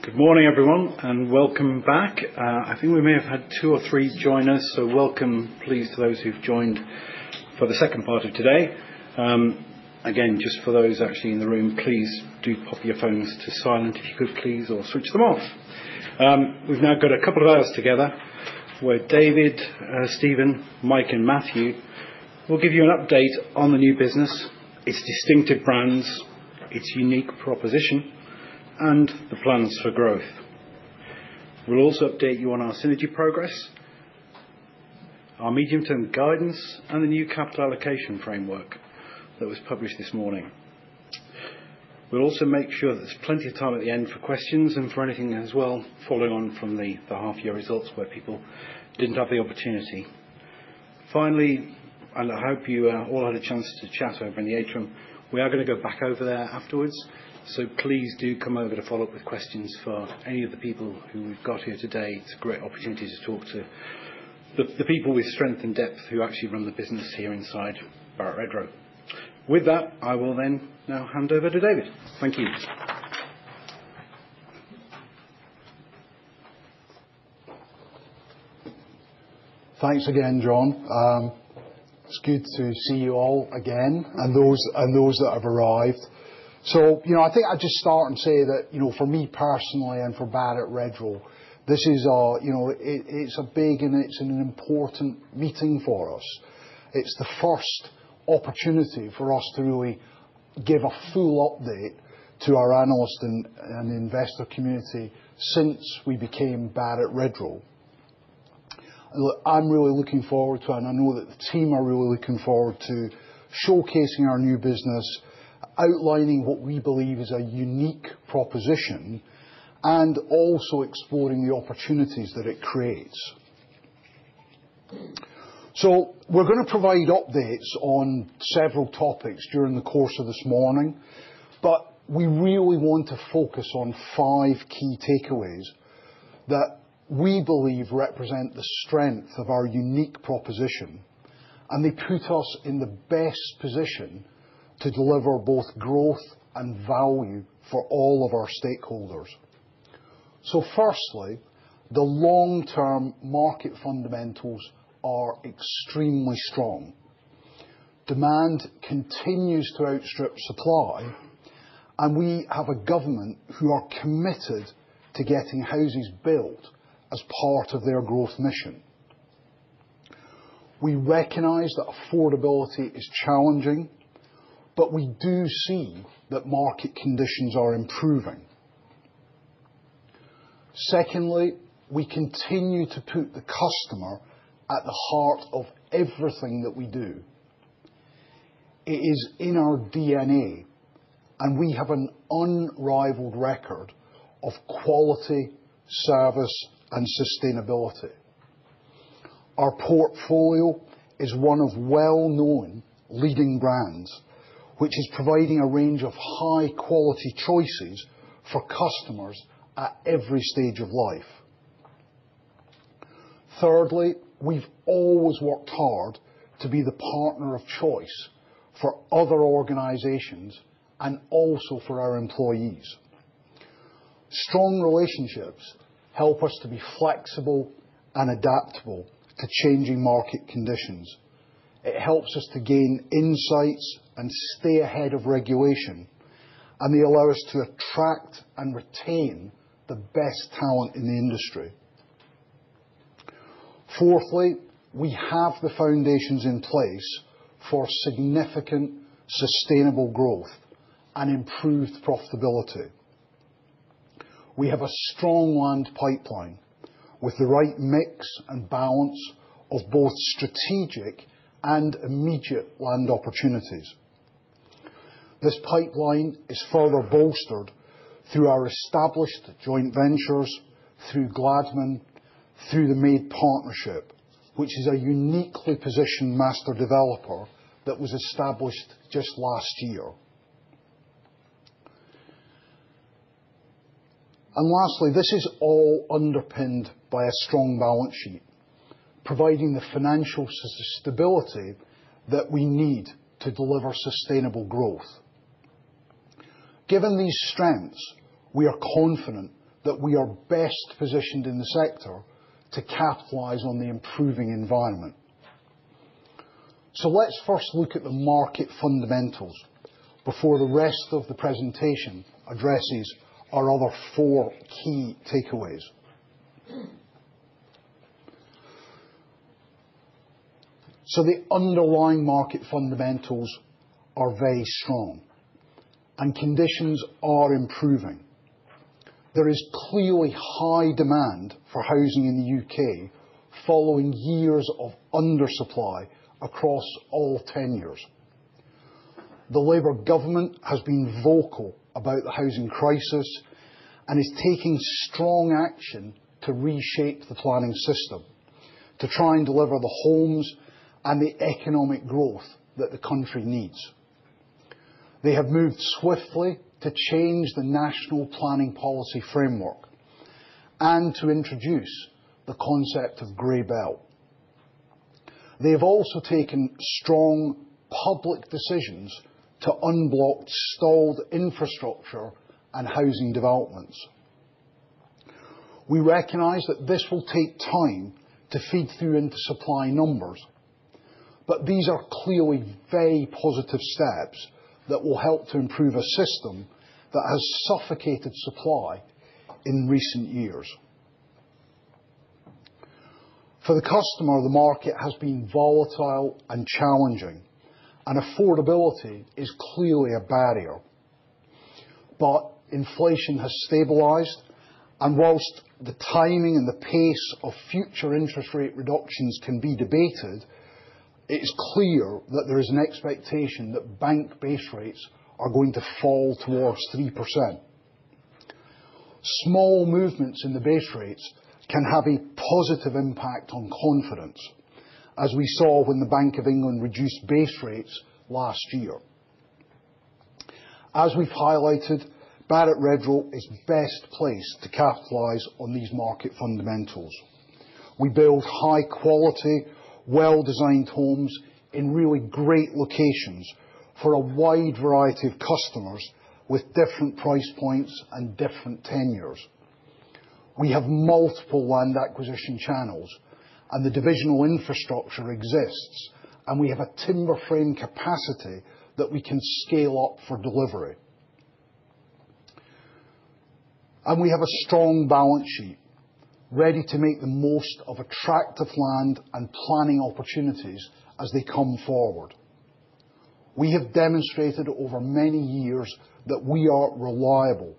Good morning, everyone, and welcome back. I think we may have had two or three join us, so welcome, please, to those who've joined for the second part of today. Again, just for those actually in the room, please do pop your phones to silent if you could, please, or switch them off. We've now got a couple of hours together where David, Steven, Mike, and Matthew will give you an update on the new business, its distinctive brands, its unique proposition, and the plans for growth. We'll also update you on our synergy progress, our medium-term guidance, and the new capital allocation framework that was published this morning. We'll also make sure that there's plenty of time at the end for questions and for anything as well following on from the half-year results where people didn't have the opportunity. Finally, and I hope you all had a chance to chat over in the atrium, we are going to go back over there afterwards, so please do come over to follow up with questions for any of the people who we've got here today. It's a great opportunity to talk to the people with strength and depth who actually run the business here inside Barratt Redrow. With that, I will then now hand over to David. Thank you. Thanks again, John. It's good to see you all again and those that have arrived. So I think I'll just start and say that for me personally and for Barratt Redrow, this is a big and it's an important meeting for us. It's the first opportunity for us to really give a full update to our analyst and investor community since we became Barratt Redrow. I'm really looking forward to it, and I know that the team are really looking forward to showcasing our new business, outlining what we believe is a unique proposition, and also exploring the opportunities that it creates. We're going to provide updates on several topics during the course of this morning, but we really want to focus on five key takeaways that we believe represent the strength of our unique proposition, and they put us in the best position to deliver both growth and value for all of our stakeholders. Firstly, the long-term market fundamentals are extremely strong. Demand continues to outstrip supply, and we have a government who are committed to getting houses built as part of their growth mission. We recognize that affordability is challenging, but we do see that market conditions are improving. Secondly, we continue to put the customer at the heart of everything that we do. It is in our DNA, and we have an unrivaled record of quality, service, and sustainability. Our portfolio is one of well-known leading brands, which is providing a range of high-quality choices for customers at every stage of life. Thirdly, we've always worked hard to be the partner of choice for other organizations and also for our employees. Strong relationships help us to be flexible and adaptable to changing market conditions. It helps us to gain insights and stay ahead of regulation, and they allow us to attract and retain the best talent in the industry. Fourthly, we have the foundations in place for significant sustainable growth and improved profitability. We have a strong land pipeline with the right mix and balance of both strategic and immediate land opportunities. This pipeline is further bolstered through our established joint ventures, through Gladman, through the MADE Partnership, which is a uniquely positioned master developer that was established just last year. Lastly, this is all underpinned by a strong balance sheet, providing the financial stability that we need to deliver sustainable growth. Given these strengths, we are confident that we are best positioned in the sector to capitalize on the improving environment. Let's first look at the market fundamentals before the rest of the presentation addresses our other four key takeaways. The underlying market fundamentals are very strong, and conditions are improving. There is clearly high demand for housing in the U.K. following years of undersupply across all tenures. The Labour government has been vocal about the housing crisis and is taking strong action to reshape the planning system to try and deliver the homes and the economic growth that the country needs. They have moved swiftly to change the National Planning Policy Framework and to introduce the concept of Grey Belt. They have also taken strong public decisions to unblock stalled infrastructure and housing developments. We recognize that this will take time to feed through into supply numbers, but these are clearly very positive steps that will help to improve a system that has suffocated supply in recent years. For the customer, the market has been volatile and challenging, and affordability is clearly a barrier. But inflation has stabilized, and whilst the timing and the pace of future interest rate reductions can be debated, it is clear that there is an expectation that bank base rates are going to fall towards 3%. Small movements in the base rates can have a positive impact on confidence, as we saw when the Bank of England reduced base rates last year. As we've highlighted, Barratt Redrow is best placed to capitalize on these market fundamentals. We build high-quality, well-designed homes in really great locations for a wide variety of customers with different price points and different tenures. We have multiple land acquisition channels, and the divisional infrastructure exists, and we have a timber frame capacity that we can scale up for delivery, and we have a strong balance sheet ready to make the most of attractive land and planning opportunities as they come forward. We have demonstrated over many years that we are reliable.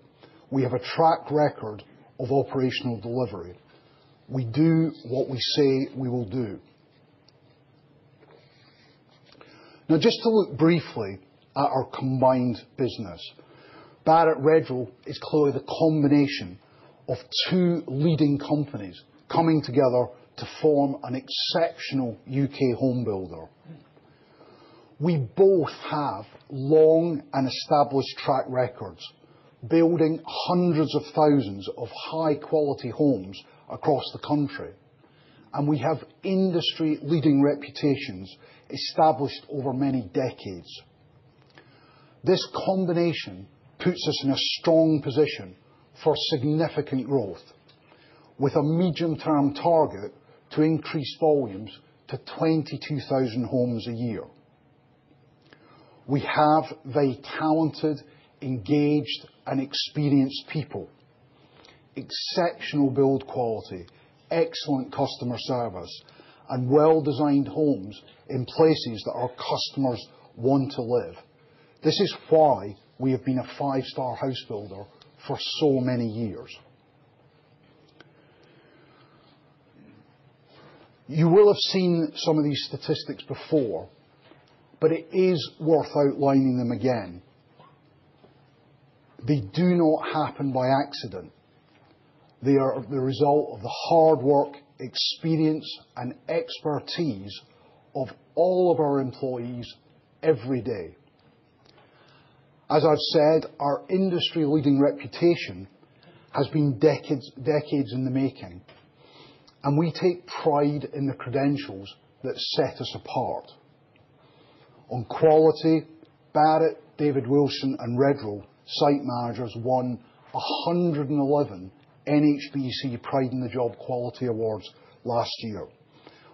We have a track record of operational delivery. We do what we say we will do. Now, just to look briefly at our combined business, Barratt Redrow is clearly the combination of two leading companies coming together to form an exceptional U.K. homebuilder. We both have long and established track records, building hundreds of thousands of high-quality homes across the country, and we have industry-leading reputations established over many decades. This combination puts us in a strong position for significant growth, with a medium-term target to increase volumes to 22,000 homes a year. We have very talented, engaged, and experienced people, exceptional build quality, excellent customer service, and well-designed homes in places that our customers want to live. This is why we have been a five-star housebuilder for so many years. You will have seen some of these statistics before, but it is worth outlining them again. They do not happen by accident. They are the result of the hard work, experience, and expertise of all of our employees every day. As I've said, our industry-leading reputation has been decades in the making, and we take pride in the credentials that set us apart. On quality, Barratt, David Wilson, and Redrow, site managers, won 111 NHBC Pride in the Job Quality Awards last year,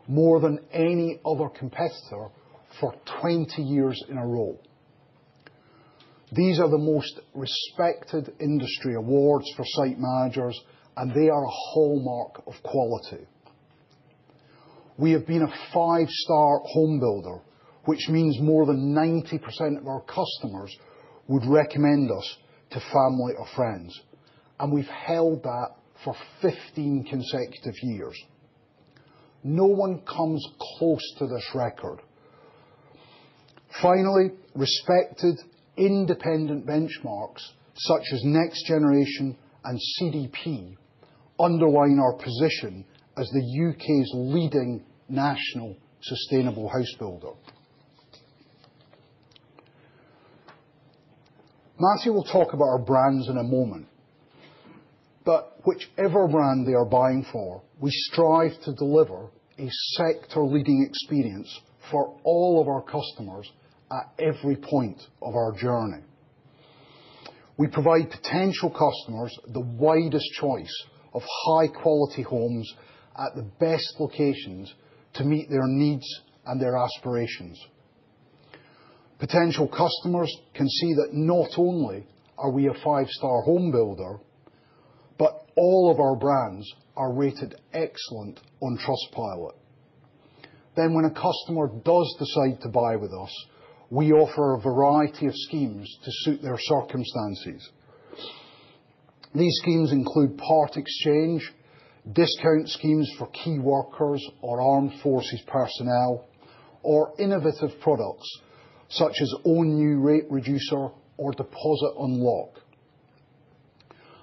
more than any other competitor for 20 years in a row. These are the most respected industry awards for site managers, and they are a hallmark of quality. We have been a five-star homebuilder, which means more than 90% of our customers would recommend us to family or friends, and we've held that for 15 consecutive years. No one comes close to this record. Finally, respected independent benchmarks such as NextGeneration and CDP underline our position as the U.K.'s leading national sustainable housebuilder. Matthew will talk about our brands in a moment, but whichever brand they are buying for, we strive to deliver a sector-leading experience for all of our customers at every point of our journey. We provide potential customers the widest choice of high-quality homes at the best locations to meet their needs and their aspirations. Potential customers can see that not only are we a five-star homebuilder, but all of our brands are rated excellent on Trustpilot. Then, when a customer does decide to buy with us, we offer a variety of schemes to suit their circumstances. These schemes include part exchange, discount schemes for key workers or armed forces personnel, or innovative products such as Own New Rate Reducer or Deposit Unlock.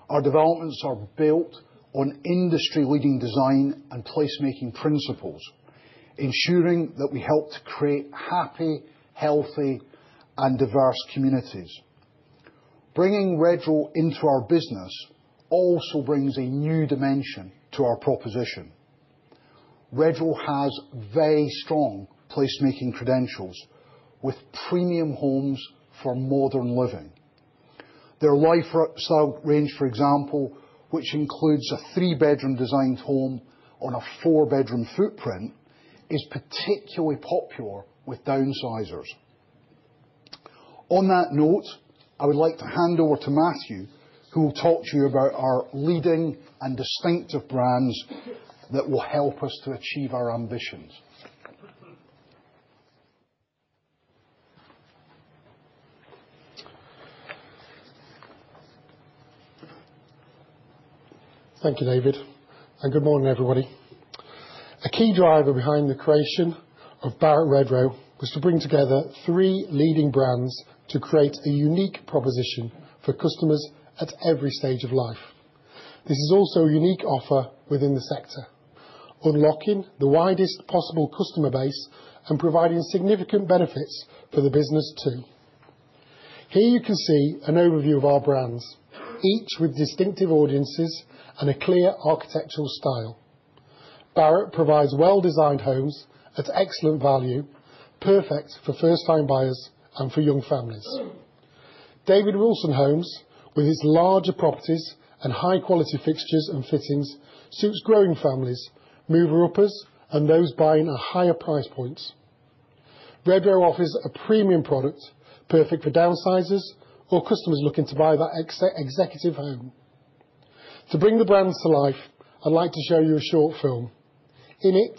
Our developments are built on industry-leading design and placemaking principles, ensuring that we help to create happy, healthy, and diverse communities. Bringing Redrow into our business also brings a new dimension to our proposition. Redrow has very strong placemaking credentials with premium homes for modern living. Their lifestyle range, for example, which includes a three-bedroom designed home on a four-bedroom footprint, is particularly popular with downsizers. On that note, I would like to hand over to Matthew, who will talk to you about our leading and distinctive brands that will help us to achieve our ambitions. Thank you, David. And good morning, everybody. A key driver behind the creation of Barratt Redrow was to bring together three leading brands to create a unique proposition for customers at every stage of life. This is also a unique offer within the sector, unlocking the widest possible customer base and providing significant benefits for the business too. Here you can see an overview of our brands, each with distinctive audiences and a clear architectural style. Barratt provides well-designed homes at excellent value, perfect for first-time buyers and for young families. David Wilson Homes, with its larger properties and high-quality fixtures and fittings, suits growing families, mover-uppers, and those buying at higher price points. Redrow offers a premium product perfect for downsizers or customers looking to buy that executive home. To bring the brands to life, I'd like to show you a short film. In it,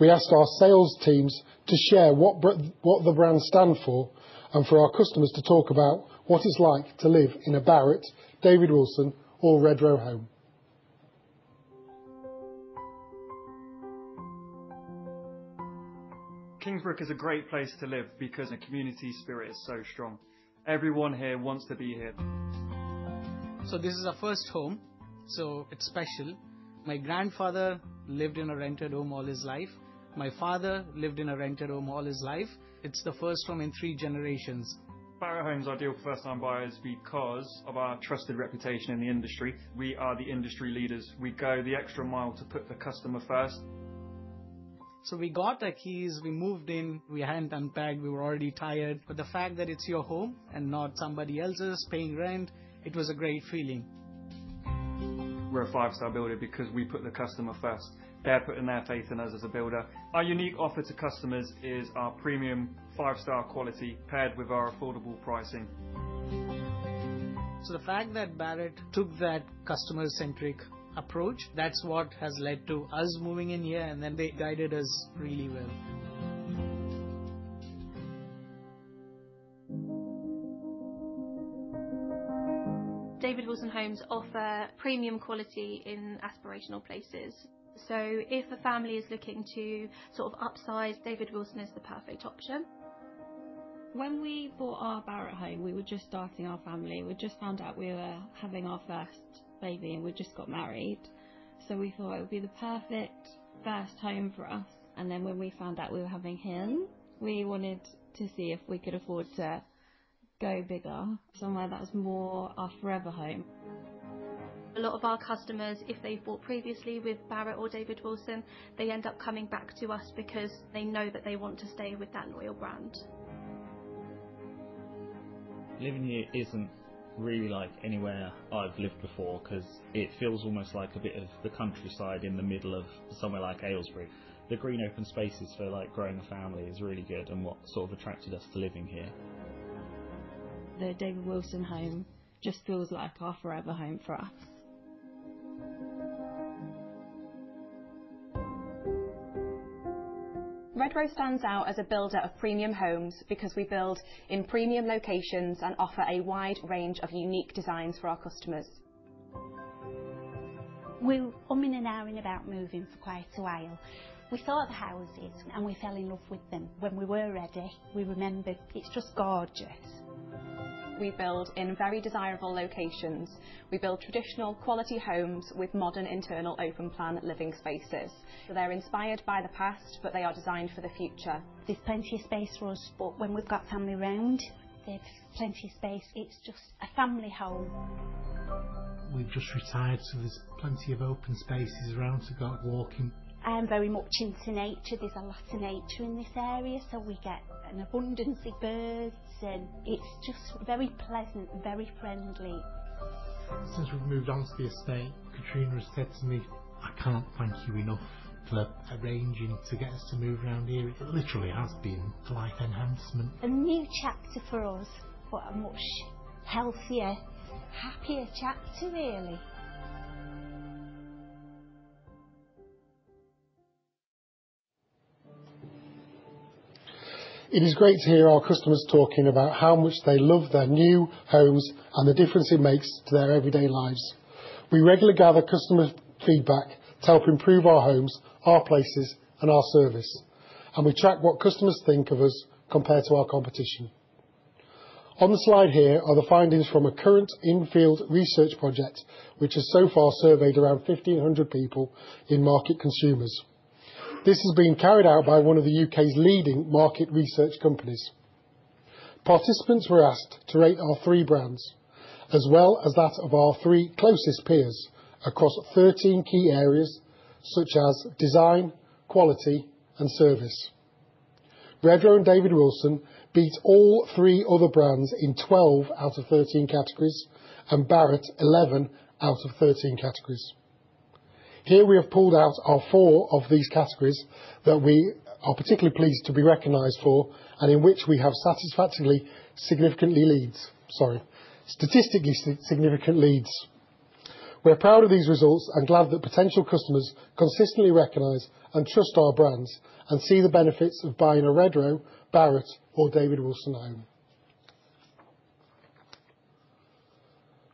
we asked our sales teams to share what the brands stand for and for our customers to talk about what it's like to live in a Barratt, David Wilson, or Redrow home. Kingsbrook is a great place to live because the community spirit is so strong. Everyone here wants to be here. So this is our first home, so it's special. My grandfather lived in a rented home all his life. My father lived in a rented home all his life. It's the first home in three generations. Barratt Homes are ideal for first-time buyers because of our trusted reputation in the industry. We are the industry leaders. We go the extra mile to put the customer first. We got our keys. We moved in. We hadn't unpacked. We were already tired. But the fact that it's your home and not somebody else's paying rent, it was a great feeling. We're a five-star builder because we put the customer first. They're putting their faith in us as a builder. Our unique offer to customers is our premium five-star quality paired with our affordable pricing. So the fact that Barratt took that customer-centric approach, that's what has led to us moving in here, and then they guided us really well. David Wilson Homes offer premium quality in aspirational places. So if a family is looking to sort of upsize, David Wilson is the perfect option. When we bought our Barratt home, we were just starting our family. We just found out we were having our first baby, and we just got married. So we thought it would be the perfect first home for us. And then when we found out we were having him, we wanted to see if we could afford to go bigger, somewhere that's more our forever home. A lot of our customers, if they've bought previously with Barratt or David Wilson, they end up coming back to us because they know that they want to stay with that loyal brand. Living here isn't really like anywhere I've lived before because it feels almost like a bit of the countryside in the middle of somewhere like Aylesbury. The green open spaces for growing a family is really good and what sort of attracted us to living here. The David Wilson home just feels like our forever home for us. Redrow stands out as a builder of premium homes because we build in premium locations and offer a wide range of unique designs for our customers. We've been in and out and about moving for quite a while. We saw the houses, and we fell in love with them. When we were ready, we remembered it's just gorgeous. We build in very desirable locations. We build traditional quality homes with modern internal open-plan living spaces. They're inspired by the past, but they are designed for the future. There's plenty of space for us, but when we've got family around, there's plenty of space. It's just a family home. We've just retired, so there's plenty of open spaces around to go walking. I'm very much into nature. There's a lot of nature in this area, so we get an abundance of birds, and it's just very pleasant, very friendly. Since we've moved on to the estate, Katrina has said to me, "I can't thank you enough for arranging to get us to move around here." It literally has been a life enhancement. A new chapter for us, but a much healthier, happier chapter, really. It is great to hear our customers talking about how much they love their new homes and the difference it makes to their everyday lives. We regularly gather customer feedback to help improve our homes, our places, and our service, and we track what customers think of us compared to our competition. On the slide here are the findings from a current in-field research project, which has so far surveyed around 1,500 in-market consumers. This has been carried out by one of the U.K.'s leading market research companies. Participants were asked to rate our three brands as well as that of our three closest peers across 13 key areas such as design, quality, and service. Redrow and David Wilson beat all three other brands in 12 out of 13 categories and Barratt 11 out of 13 categories. Here we have pulled out our four of these categories that we are particularly pleased to be recognized for and in which we have satisfactorily significantly leads, sorry, statistically significant leads. We're proud of these results and glad that potential customers consistently recognize and trust our brands and see the benefits of buying a Redrow, Barratt, or David Wilson home.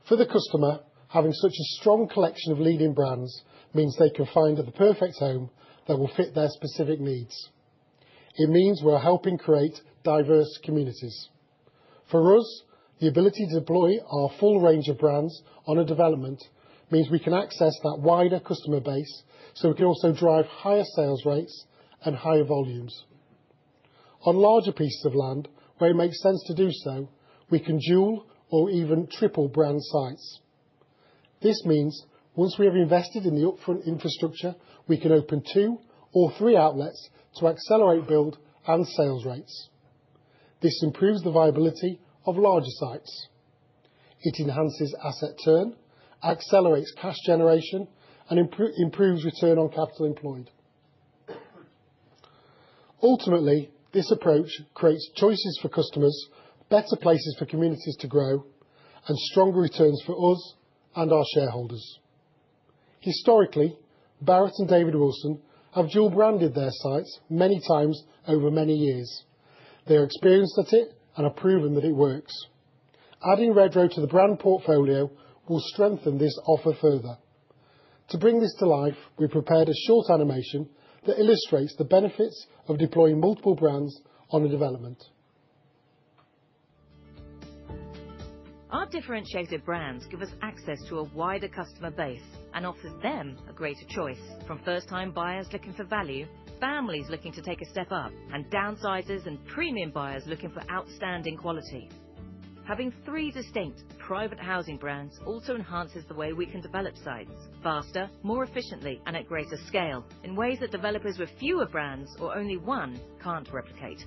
For the customer, having such a strong collection of leading brands means they can find the perfect home that will fit their specific needs. It means we're helping create diverse communities. For us, the ability to deploy our full range of brands on a development means we can access that wider customer base so we can also drive higher sales rates and higher volumes. On larger pieces of land, where it makes sense to do so, we can dual or even triple brand sites. This means once we have invested in the upfront infrastructure, we can open two or three outlets to accelerate build and sales rates. This improves the viability of larger sites. It enhances asset turn, accelerates cash generation, and improves return on capital employed. Ultimately, this approach creates choices for customers, better places for communities to grow, and stronger returns for us and our shareholders. Historically, Barratt and David Wilson have dual-branded their sites many times over many years. They are experienced at it and have proven that it works. Adding Redrow to the brand portfolio will strengthen this offer further. To bring this to life, we prepared a short animation that illustrates the benefits of deploying multiple brands on a development. Our differentiated brands give us access to a wider customer base and offer them a greater choice from first-time buyers looking for value, families looking to take a step up, and downsizers and premium buyers looking for outstanding quality. Having three distinct private housing brands also enhances the way we can develop sites faster, more efficiently, and at greater scale in ways that developers with fewer brands or only one can't replicate.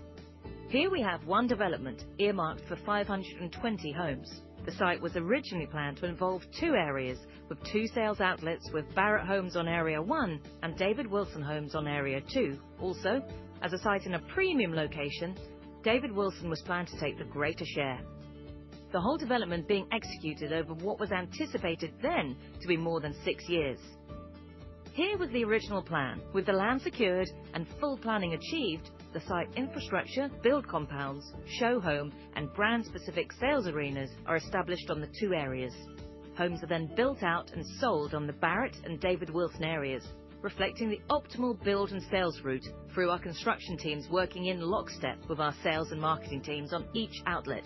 Here we have one development earmarked for 520 homes. The site was originally planned to involve two areas with two sales outlets, with Barratt Homes on area one and David Wilson Homes on area two. Also, as a site in a premium location, David Wilson was planned to take the greater share. The whole development being executed over what was anticipated then to be more than six years. Here was the original plan. With the land secured and full planning achieved, the site infrastructure, build compounds, show home, and brand-specific sales arenas are established on the two areas. Homes are then built out and sold on the Barratt and David Wilson areas, reflecting the optimal build and sales route through our construction teams working in lockstep with our sales and marketing teams on each outlet,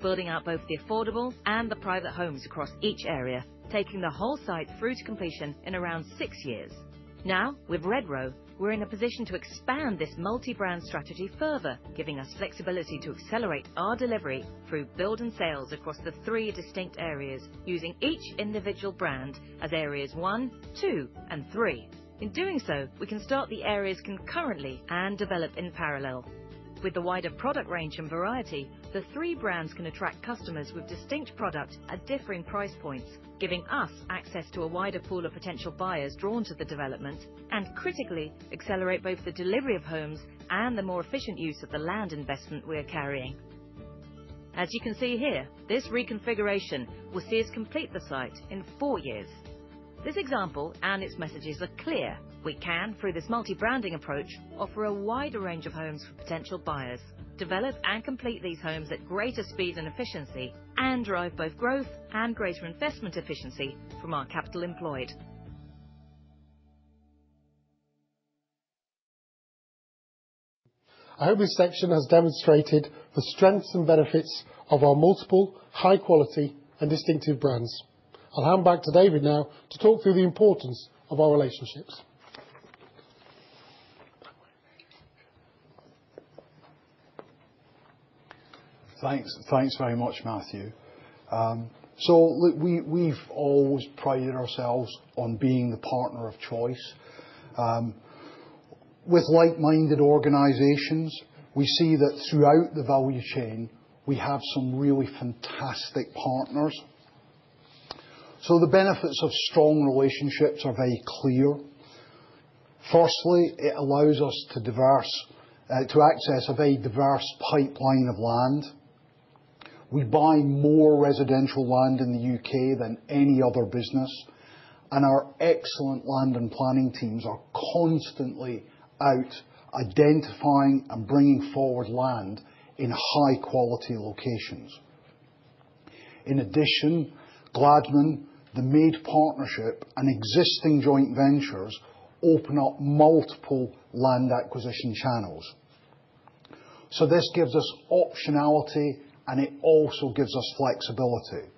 building out both the affordable and the private homes across each area, taking the whole site through to completion in around six years. Now, with Redrow, we're in a position to expand this multi-brand strategy further, giving us flexibility to accelerate our delivery through build and sales across the three distinct areas, using each individual brand as areas one, two, and three. In doing so, we can start the areas concurrently and develop in parallel. With the wider product range and variety, the three brands can attract customers with distinct products at differing price points, giving us access to a wider pool of potential buyers drawn to the development and, critically, accelerate both the delivery of homes and the more efficient use of the land investment we are carrying. As you can see here, this reconfiguration will see us complete the site in four years. This example and its messages are clear. We can, through this multi-branding approach, offer a wider range of homes for potential buyers, develop and complete these homes at greater speed and efficiency, and drive both growth and greater investment efficiency from our capital employed. I hope this section has demonstrated the strengths and benefits of our multiple, high-quality, and distinctive brands. I'll hand back to David now to talk through the importance of our relationships. Thanks. Thanks very much, Matthew. So look, we've always prided ourselves on being the partner of choice. With like-minded organizations, we see that throughout the value chain, we have some really fantastic partners. So the benefits of strong relationships are very clear. Firstly, it allows us to access a very diverse pipeline of land. We buy more residential land in the U.K. than any other business, and our excellent land and planning teams are constantly out identifying and bringing forward land in high-quality locations. In addition, Gladman, the MADE Partnership, and existing joint ventures open up multiple land acquisition channels. So this gives us optionality, and it also gives us flexibility.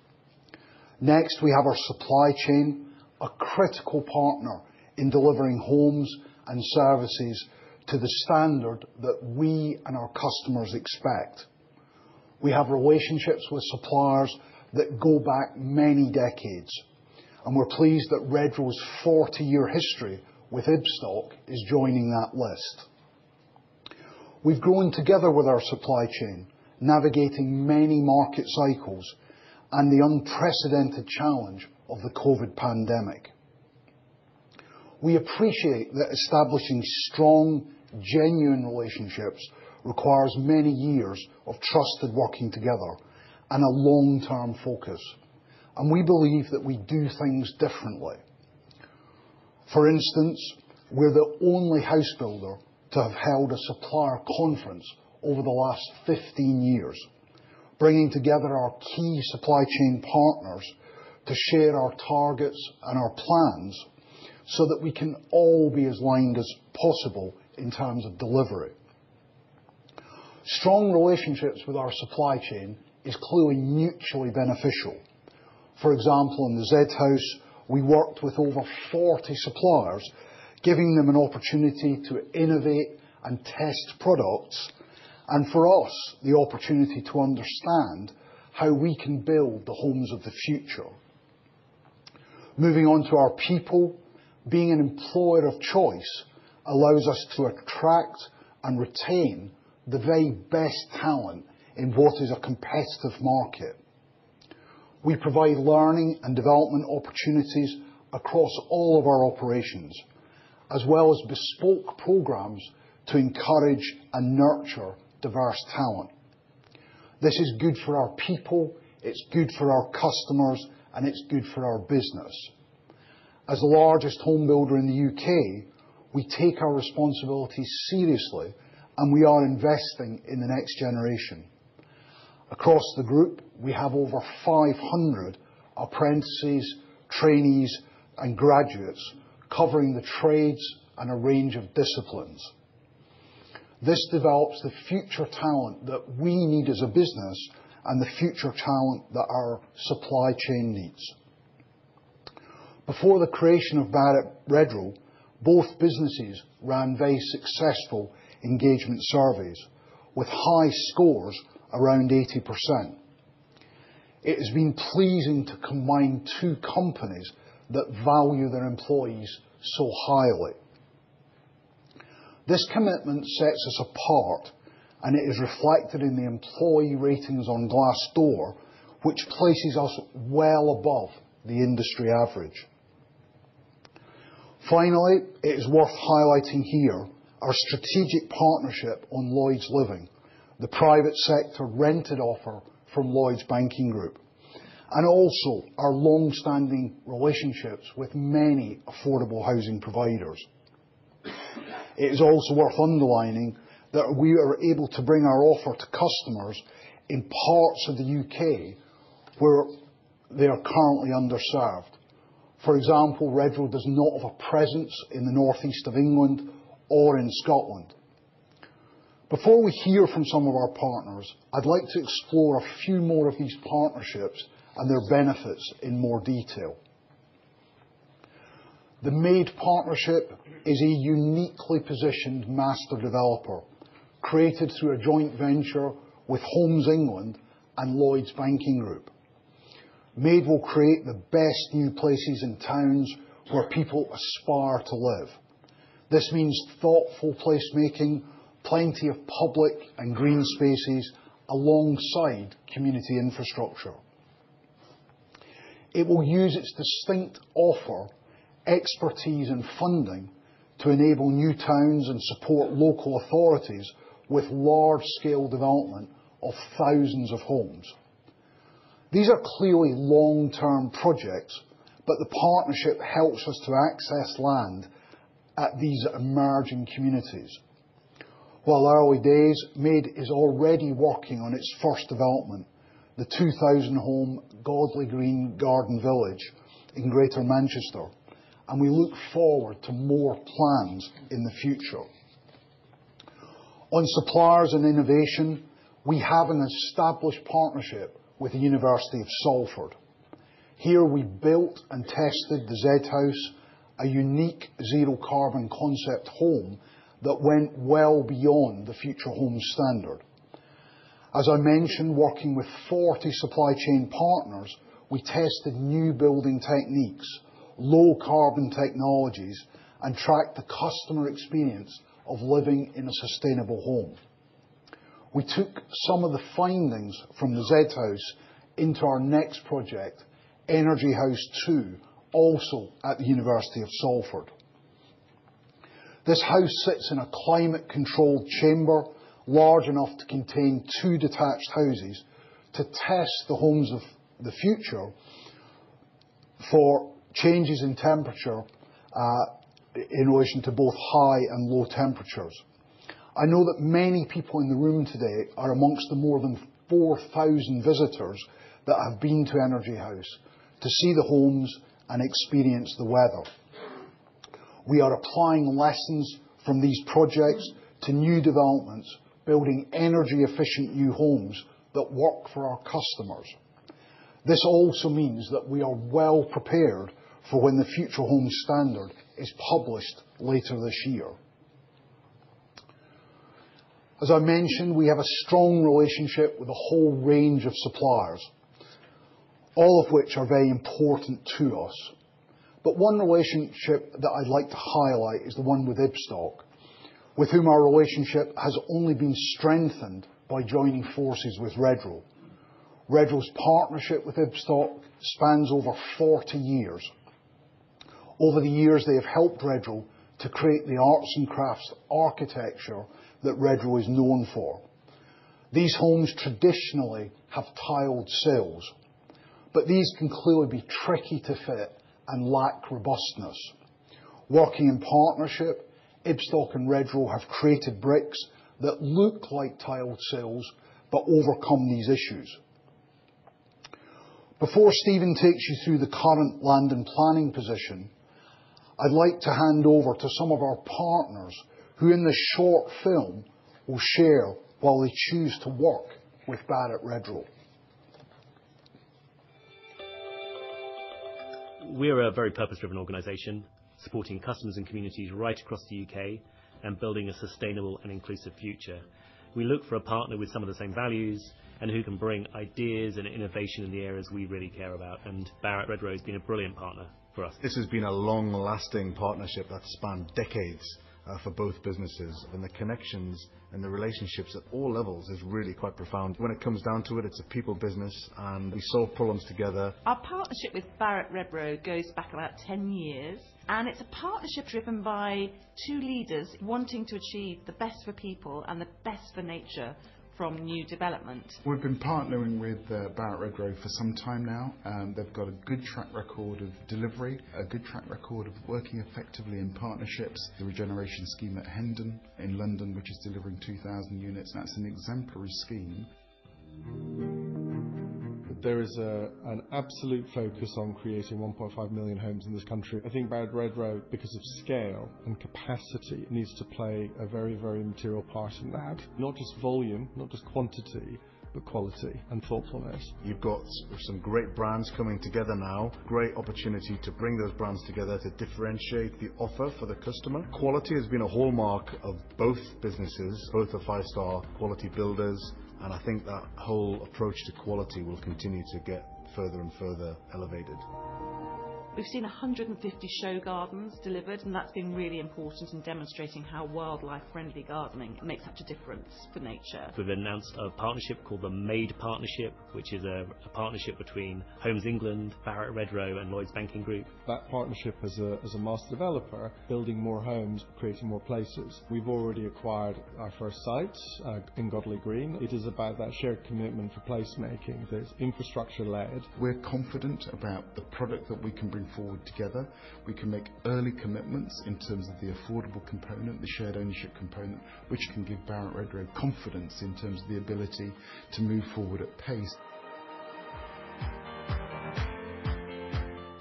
Next, we have our supply chain, a critical partner in delivering homes and services to the standard that we and our customers expect. We have relationships with suppliers that go back many decades, and we're pleased that Redrow's 40-year history with Ibstock is joining that list. We've grown together with our supply chain, navigating many market cycles and the unprecedented challenge of the COVID pandemic. We appreciate that establishing strong, genuine relationships requires many years of trusted working together and a long-term focus, and we believe that we do things differently. For instance, we're the only housebuilder to have held a supplier conference over the last 15 years, bringing together our key supply chain partners to share our targets and our plans so that we can all be as aligned as possible in terms of delivery. Strong relationships with our supply chain are clearly mutually beneficial. For example, in the Zed House, we worked with over 40 suppliers, giving them an opportunity to innovate and test products, and for us, the opportunity to understand how we can build the homes of the future. Moving on to our people, being an employer of choice allows us to attract and retain the very best talent in what is a competitive market. We provide learning and development opportunities across all of our operations, as well as bespoke programs to encourage and nurture diverse talent. This is good for our people, it's good for our customers, and it's good for our business. As the largest home builder in the U.K., we take our responsibility seriously, and we are investing in the next generation. Across the group, we have over 500 apprentices, trainees, and graduates covering the trades and a range of disciplines. This develops the future talent that we need as a business and the future talent that our supply chain needs. Before the creation of Barratt Redrow, both businesses ran very successful engagement surveys with high scores, around 80%. It has been pleasing to combine two companies that value their employees so highly. This commitment sets us apart, and it is reflected in the employee ratings on Glassdoor, which places us well above the industry average. Finally, it is worth highlighting here our strategic partnership on Lloyds Living, the private sector rented offer from Lloyds Banking Group, and also our long-standing relationships with many affordable housing providers. It is also worth underlining that we are able to bring our offer to customers in parts of the U.K. where they are currently underserved. For example, Redrow does not have a presence in the North East of England or in Scotland. Before we hear from some of our partners, I'd like to explore a few more of these partnerships and their benefits in more detail. The MADE Partnership is a uniquely positioned master developer created through a joint venture with Homes England and Lloyds Banking Group. MADE will create the best new places and towns where people aspire to live. This means thoughtful placemaking, plenty of public and green spaces alongside community infrastructure. It will use its distinct offer, expertise, and funding to enable new towns and support local authorities with large-scale development of thousands of homes. These are clearly long-term projects, but the partnership helps us to access land at these emerging communities. Well, already, MADE is already working on its first development, the 2,000-home Godley Green Garden Village in Greater Manchester, and we look forward to more plans in the future. On suppliers and innovation, we have an established partnership with the University of Salford. Here, we built and tested the Zed House, a unique zero-carbon concept home that went well beyond the Future Homes Standard. As I mentioned, working with 40 supply chain partners, we tested new building techniques, low-carbon technologies, and tracked the customer experience of living in a sustainable home. We took some of the findings from the Zed House into our next project, Energy House 2.0, also at the University of Salford. This house sits in a climate-controlled chamber large enough to contain two detached houses to test the homes of the future for changes in temperature in relation to both high and low temperatures. I know that many people in the room today are amongst the more than 4,000 visitors that have been to Energy House to see the homes and experience the weather. We are applying lessons from these projects to new developments, building energy-efficient new homes that work for our customers. This also means that we are well prepared for when the Future Homes Standard is published later this year. As I mentioned, we have a strong relationship with a whole range of suppliers, all of which are very important to us. But one relationship that I'd like to highlight is the one with Ibstock, with whom our relationship has only been strengthened by joining forces with Redrow. Redrow's partnership with Ibstock spans over 40 years. Over the years, they have helped Redrow to create the arts and crafts architecture that Redrow is known for. These homes traditionally have tiled sills, but these can clearly be tricky to fit and lack robustness. Working in partnership, Ibstock and Redrow have created bricks that look like tiled sills but overcome these issues. Before Steven takes you through the current land and planning position, I'd like to hand over to some of our partners who in this short film will share why they choose to work with Barratt Redrow. We're a very purpose-driven organization supporting customers and communities right across the UK and building a sustainable and inclusive future. We look for a partner with some of the same values and who can bring ideas and innovation in the areas we really care about, and Barratt Redrow has been a brilliant partner for us. This has been a long-lasting partnership that's spanned decades for both businesses, and the connections and the relationships at all levels are really quite profound. When it comes down to it, it's a people business, and we solve problems together. Our partnership with Barratt Redrow goes back about 10 years, and it's a partnership driven by two leaders wanting to achieve the best for people and the best for nature from new development. We've been partnering with Barratt Redrow for some time now, and they've got a good track record of delivery, a good track record of working effectively in partnerships. There's a regeneration scheme at Hendon in London, which is delivering 2,000 units, and that's an exemplary scheme. There is an absolute focus on creating 1.5 million homes in this country. I think Barratt Redrow, because of scale and capacity, needs to play a very, very material part in that. Not just volume, not just quantity, but quality and thoughtfulness. You've got some great brands coming together now. Great opportunity to bring those brands together to differentiate the offer for the customer. Quality has been a hallmark of both businesses, both of five-star homebuilders, and I think that whole approach to quality will continue to get further and further elevated. We've seen 150 show gardens delivered, and that's been really important in demonstrating how wildlife-friendly gardening makes such a difference for nature. We've announced a partnership called the MADE Partnership, which is a partnership between Homes England, Barratt Redrow, and Lloyds Banking Group. That partnership, as a master developer, is building more homes, creating more places. We've already acquired our first site in Godley Green. It is about that shared commitment for placemaking that is infrastructure-led. We're confident about the product that we can bring forward together. We can make early commitments in terms of the affordable component, the shared ownership component, which can give Barratt Redrow confidence in terms of the ability to move forward at pace.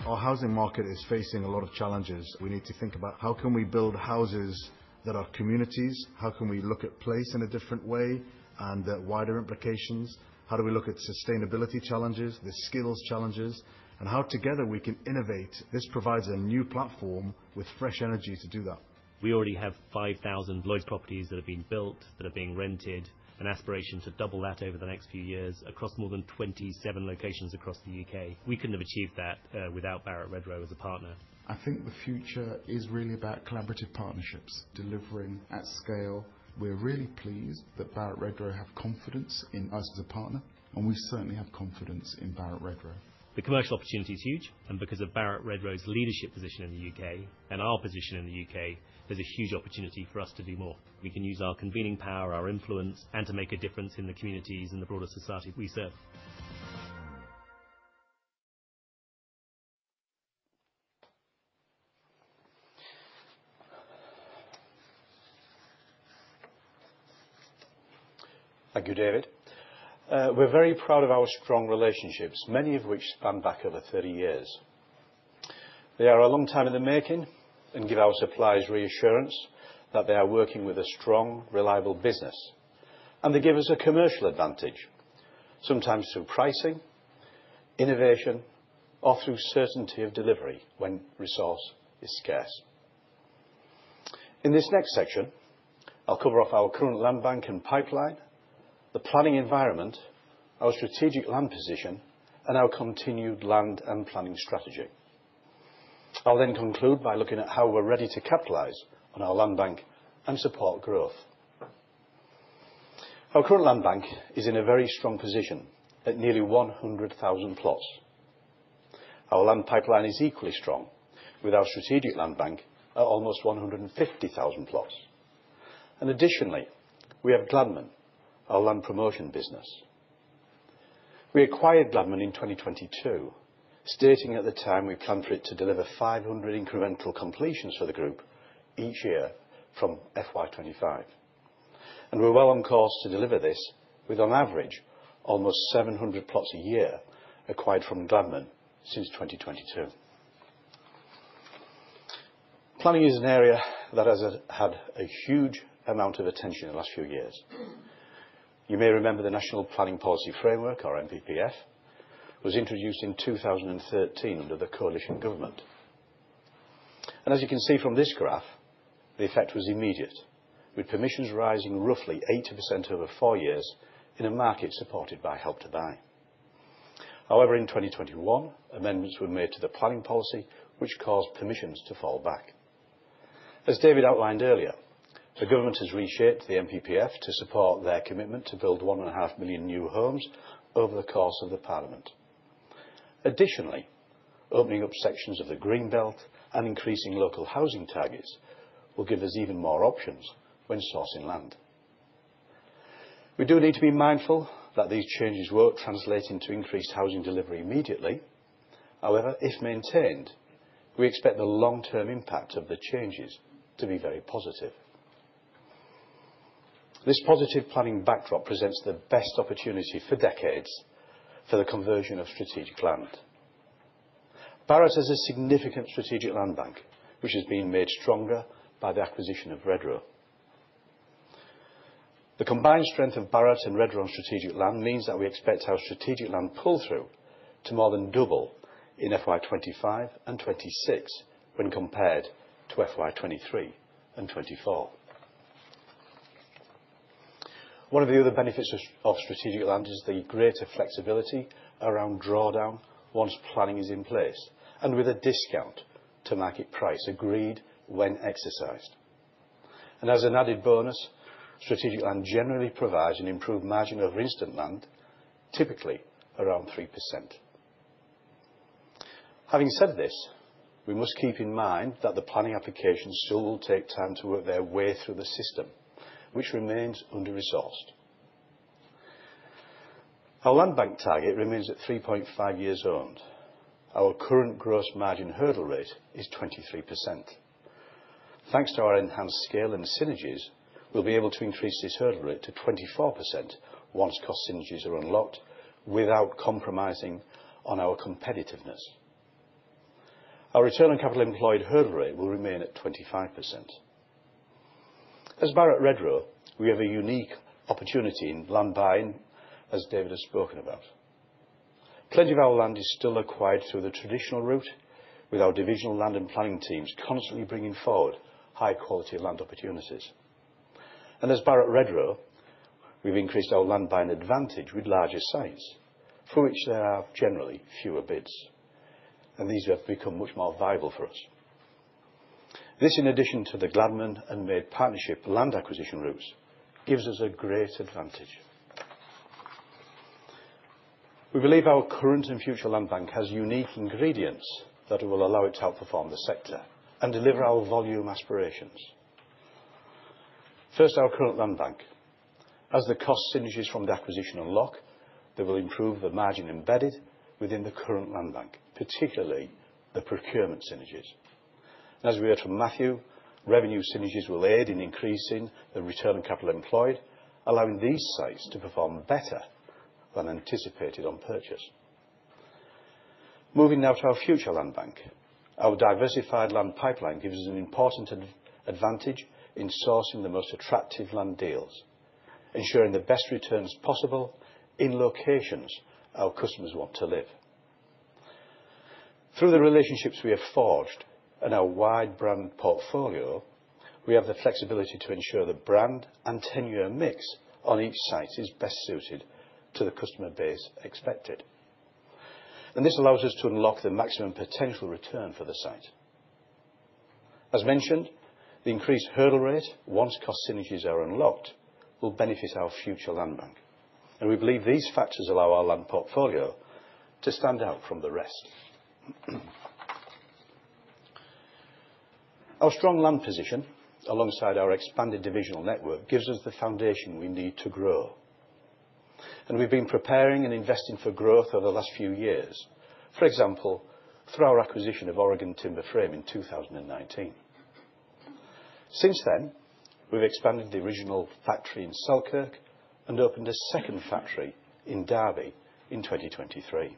Our housing market is facing a lot of challenges. We need to think about how can we build houses that are communities, how can we look at place in a different way, and their wider implications. How do we look at sustainability challenges, the skills challenges, and how together we can innovate? This provides a new platform with fresh energy to do that. We already have 5,000 Lloyd's properties that have been built, that are being rented, an aspiration to double that over the next few years across more than 27 locations across the U.K. We couldn't have achieved that without Barratt Redrow as a partner. I think the future is really about collaborative partnerships, delivering at scale. We're really pleased that Barratt Redrow has confidence in us as a partner, and we certainly have confidence in Barratt Redrow. The commercial opportunity is huge, and because of Barratt Redrow's leadership position in the UK and our position in the UK, there's a huge opportunity for us to do more. We can use our convening power, our influence, and to make a difference in the communities and the broader society we serve. Thank you, David. We're very proud of our strong relationships, many of which span back over 30 years. They are a long time in the making and give our suppliers reassurance that they are working with a strong, reliable business, and they give us a commercial advantage, sometimes through pricing, innovation, or through certainty of delivery when resource is scarce. In this next section, I'll cover off our current land bank and pipeline, the planning environment, our strategic land position, and our continued land and planning strategy. I'll then conclude by looking at how we're ready to capitalize on our land bank and support growth. Our current land bank is in a very strong position at nearly 100,000 plots. Our land pipeline is equally strong, with our strategic land bank at almost 150,000 plots. And additionally, we have Gladman, our land promotion business. We acquired Gladman in 2022, stating at the time we planned for it to deliver 500 incremental completions for the group each year from FY 2025. We're well on course to deliver this with, on average, almost 700 plots a year acquired from Gladman since 2022. Planning is an area that has had a huge amount of attention in the last few years. You may remember the National Planning Policy Framework, or NPPF, was introduced in 2013 under the coalition government. As you can see from this graph, the effect was immediate, with permissions rising roughly 80% over four years in a market supported by Help to Buy. However, in 2021, amendments were made to the planning policy, which caused permissions to fall back. As David outlined earlier, the government has reshaped the NPPF to support their commitment to build 1.5 million new homes over the course of the parliament. Additionally, opening up sections of the green belt and increasing local housing targets will give us even more options when sourcing land. We do need to be mindful that these changes won't translate into increased housing delivery immediately. However, if maintained, we expect the long-term impact of the changes to be very positive. This positive planning backdrop presents the best opportunity for decades for the conversion of strategic land. Barratt has a significant strategic land bank, which has been made stronger by the acquisition of Redrow. The combined strength of Barratt and Redrow on strategic land means that we expect our strategic land pull-through to more than double in FY 2025 and 2026 when compared to FY 2023 and 2024. One of the other benefits of strategic land is the greater flexibility around drawdown once planning is in place and with a discount to market price agreed when exercised, and as an added bonus, strategic land generally provides an improved margin over instant land, typically around 3%. Having said this, we must keep in mind that the planning application still will take time to work their way through the system, which remains under-resourced. Our land bank target remains at 3.5 years owned. Our current gross margin hurdle rate is 23%. Thanks to our enhanced scale and synergies, we'll be able to increase this hurdle rate to 24% once cost synergies are unlocked without compromising on our competitiveness. Our return on capital employed hurdle rate will remain at 25%. As Barratt Redrow, we have a unique opportunity in land buying, as David has spoken about. Plenty of our land is still acquired through the traditional route, with our divisional land and planning teams constantly bringing forward high-quality land opportunities. And as Barratt Redrow, we've increased our land buying advantage with larger sites for which there are generally fewer bids, and these have become much more viable for us. This, in addition to the Gladman and MADE Partnership land acquisition routes, gives us a great advantage. We believe our current and future land bank has unique ingredients that will allow it to outperform the sector and deliver our volume aspirations. First, our current land bank. As the cost synergies from the acquisition unlock, they will improve the margin embedded within the current land bank, particularly the procurement synergies. And as we heard from Matthew, revenue synergies will aid in increasing the return on capital employed, allowing these sites to perform better than anticipated on purchase. Moving now to our future land bank, our diversified land pipeline gives us an important advantage in sourcing the most attractive land deals, ensuring the best returns possible in locations our customers want to live. Through the relationships we have forged and our wide brand portfolio, we have the flexibility to ensure the brand and tenure mix on each site is best suited to the customer base expected. And this allows us to unlock the maximum potential return for the site. As mentioned, the increased hurdle rate, once cost synergies are unlocked, will benefit our future land bank. And we believe these factors allow our land portfolio to stand out from the rest. Our strong land position, alongside our expanded divisional network, gives us the foundation we need to grow. We have been preparing and investing for growth over the last few years, for example, through our acquisition of Oregon Timber Frame in 2019. Since then, we have expanded the original factory in Selkirk and opened a second factory in Derby in 2023.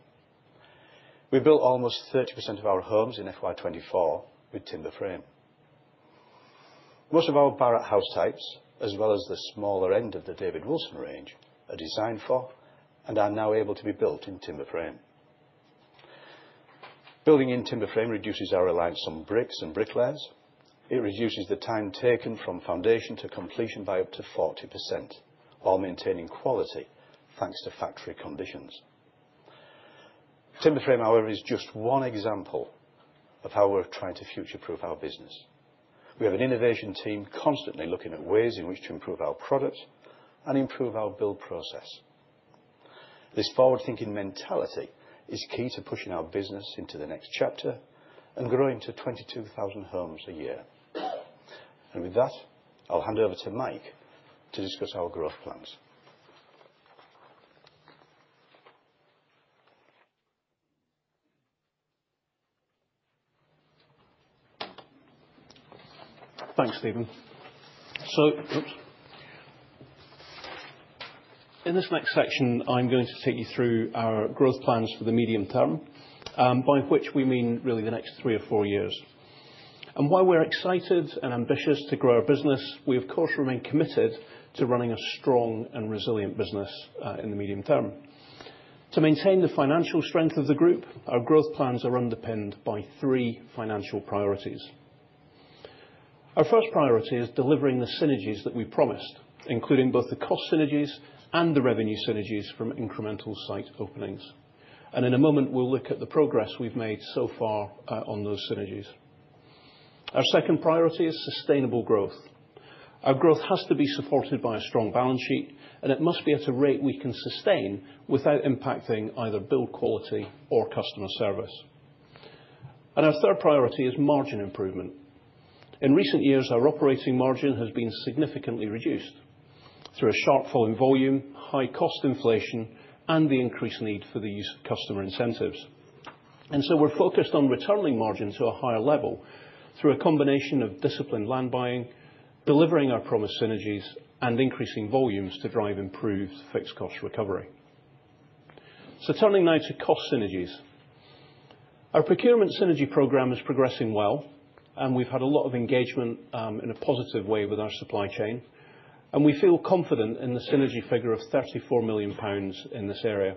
We built almost 30% of our homes in FY 2024 with timber frame. Most of our Barratt house types, as well as the smaller end of the David Wilson range, are designed for and are now able to be built in timber frame. Building in timber frame reduces our reliance on bricks and bricklayers. It reduces the time taken from foundation to completion by up to 40%, while maintaining quality thanks to factory conditions. Timber frame, however, is just one example of how we are trying to future-proof our business. We have an innovation team constantly looking at ways in which to improve our product and improve our build process. This forward-thinking mentality is key to pushing our business into the next chapter and growing to 22,000 homes a year, and with that, I'll hand over to Mike to discuss our growth plans. Thanks, Steven. So in this next section, I'm going to take you through our growth plans for the medium term, by which we mean really the next three or four years. And while we're excited and ambitious to grow our business, we, of course, remain committed to running a strong and resilient business in the medium term. To maintain the financial strength of the group, our growth plans are underpinned by three financial priorities. Our first priority is delivering the synergies that we promised, including both the cost synergies and the revenue synergies from incremental site openings. And in a moment, we'll look at the progress we've made so far on those synergies. Our second priority is sustainable growth. Our growth has to be supported by a strong balance sheet, and it must be at a rate we can sustain without impacting either build quality or customer service. And our third priority is margin improvement. In recent years, our operating margin has been significantly reduced through a sharp fall in volume, high cost inflation, and the increased need for the use of customer incentives. And so we're focused on returning margin to a higher level through a combination of disciplined land buying, delivering our promised synergies, and increasing volumes to drive improved fixed cost recovery. So turning now to cost synergies. Our procurement synergy program is progressing well, and we've had a lot of engagement in a positive way with our supply chain. And we feel confident in the synergy figure of 34 million pounds in this area.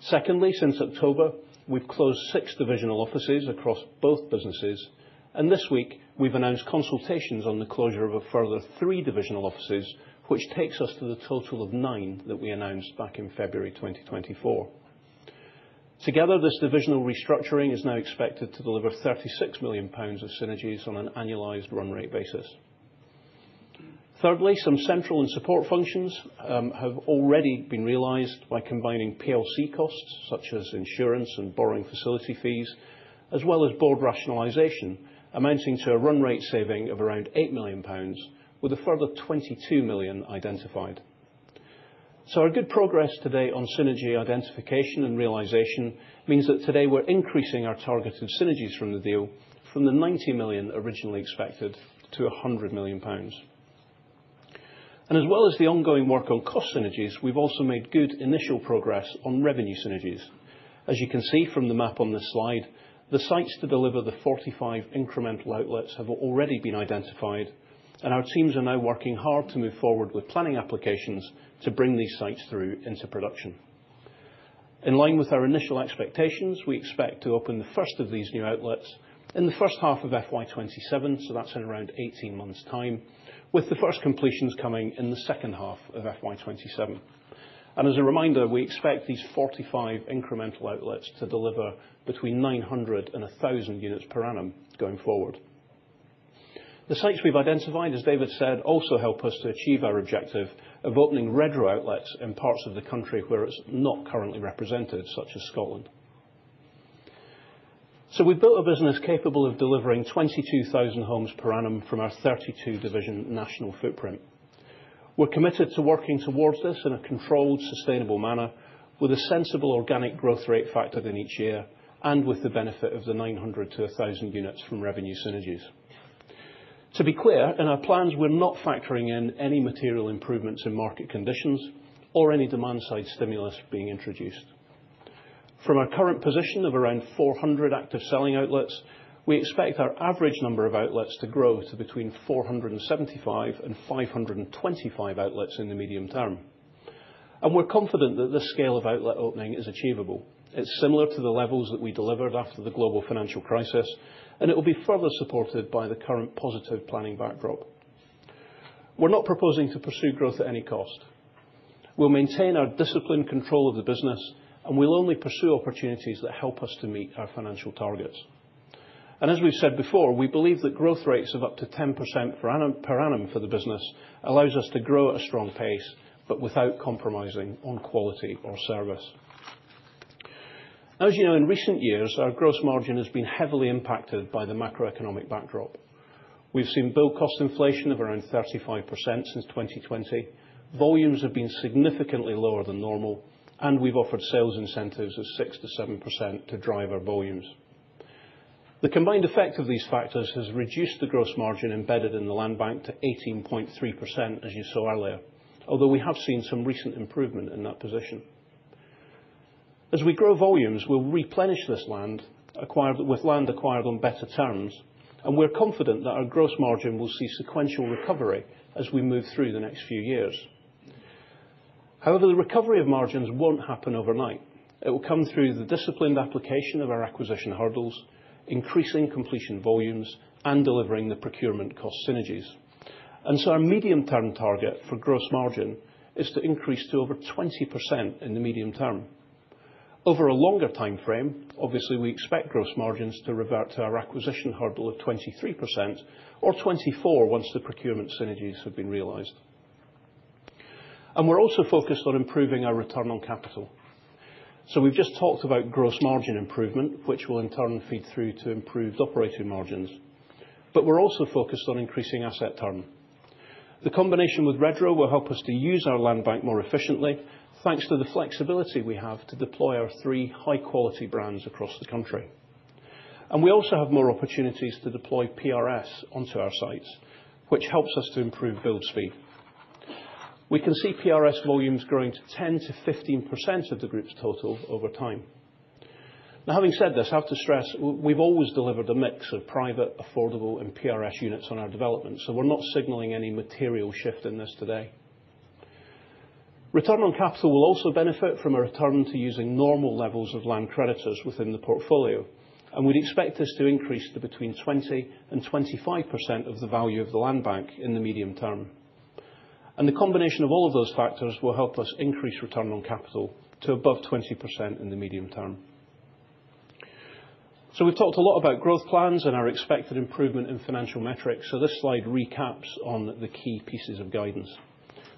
Secondly, since October, we've closed six divisional offices across both businesses. And this week, we've announced consultations on the closure of a further three divisional offices, which takes us to the total of nine that we announced back in February 2024. Together, this divisional restructuring is now expected to deliver £36 million of synergies on an annualized run rate basis. Thirdly, some central and support functions have already been realized by combining PLC costs such as insurance and borrowing facility fees, as well as board rationalization, amounting to a run rate saving of around £8 million, with a further £22 million identified. So our good progress today on synergy identification and realization means that today we're increasing our targeted synergies from the deal from the £90 million originally expected to £100 million. And as well as the ongoing work on cost synergies, we've also made good initial progress on revenue synergies. As you can see from the map on this slide, the sites to deliver the 45 incremental outlets have already been identified, and our teams are now working hard to move forward with planning applications to bring these sites through into production. In line with our initial expectations, we expect to open the first of these new outlets in the first half of FY 2027, so that's in around 18 months' time, with the first completions coming in the second half of FY 2027. And as a reminder, we expect these 45 incremental outlets to deliver between 900 and 1,000 units per annum going forward. The sites we've identified, as David said, also help us to achieve our objective of opening Redrow outlets in parts of the country where it's not currently represented, such as Scotland. So we've built a business capable of delivering 22,000 homes per annum from our 32-division national footprint. We're committed to working towards this in a controlled, sustainable manner, with a sensible organic growth rate factored in each year and with the benefit of the 900 to 1,000 units from revenue synergies. To be clear, in our plans, we're not factoring in any material improvements in market conditions or any demand-side stimulus being introduced. From our current position of around 400 active selling outlets, we expect our average number of outlets to grow to between 475 and 525 outlets in the medium term. And we're confident that this scale of outlet opening is achievable. It's similar to the levels that we delivered after the global financial crisis, and it will be further supported by the current positive planning backdrop. We're not proposing to pursue growth at any cost. We'll maintain our disciplined control of the business, and we'll only pursue opportunities that help us to meet our financial targets and as we've said before, we believe that growth rates of up to 10% per annum for the business allows us to grow at a strong pace, but without compromising on quality or service. As you know, in recent years, our gross margin has been heavily impacted by the macroeconomic backdrop. We've seen bill cost inflation of around 35% since 2020. Volumes have been significantly lower than normal, and we've offered sales incentives of 6%-7% to drive our volumes. The combined effect of these factors has reduced the gross margin embedded in the land bank to 18.3%, as you saw earlier, although we have seen some recent improvement in that position. As we grow volumes, we'll replenish this land with land acquired on better terms, and we're confident that our gross margin will see sequential recovery as we move through the next few years. However, the recovery of margins won't happen overnight. It will come through the disciplined application of our acquisition hurdles, increasing completion volumes, and delivering the procurement cost synergies. And so our medium-term target for gross margin is to increase to over 20% in the medium term. Over a longer time frame, obviously, we expect gross margins to revert to our acquisition hurdle of 23% or 24% once the procurement synergies have been realized. And we're also focused on improving our return on capital. So we've just talked about gross margin improvement, which will in turn feed through to improved operating margins. But we're also focused on increasing asset turn. The combination with Redrow will help us to use our land bank more efficiently, thanks to the flexibility we have to deploy our three high-quality brands across the country, and we also have more opportunities to deploy PRS onto our sites, which helps us to improve build speed. We can see PRS volumes growing to 10%-15% of the group's total over time. Now, having said this, I have to stress we've always delivered a mix of private, affordable, and PRS units on our development, so we're not signaling any material shift in this today. Return on capital will also benefit from a return to using normal levels of land creditors within the portfolio, and we'd expect this to increase to between 20% and 25% of the value of the land bank in the medium term. And the combination of all of those factors will help us increase return on capital to above 20% in the medium term. So we've talked a lot about growth plans and our expected improvement in financial metrics, so this slide recaps on the key pieces of guidance.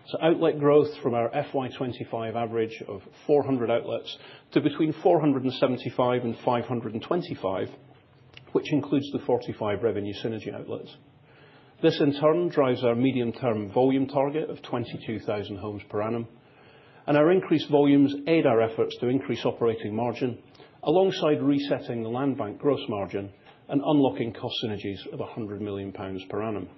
So outlet growth from our FY 2025 average of 400 outlets to between 475 and 525, which includes the 45 revenue synergy outlets. This, in turn, drives our medium-term volume target of 22,000 homes per annum. And our increased volumes aid our efforts to increase operating margin alongside resetting the land bank gross margin and unlocking cost synergies of 100 million pounds per annum.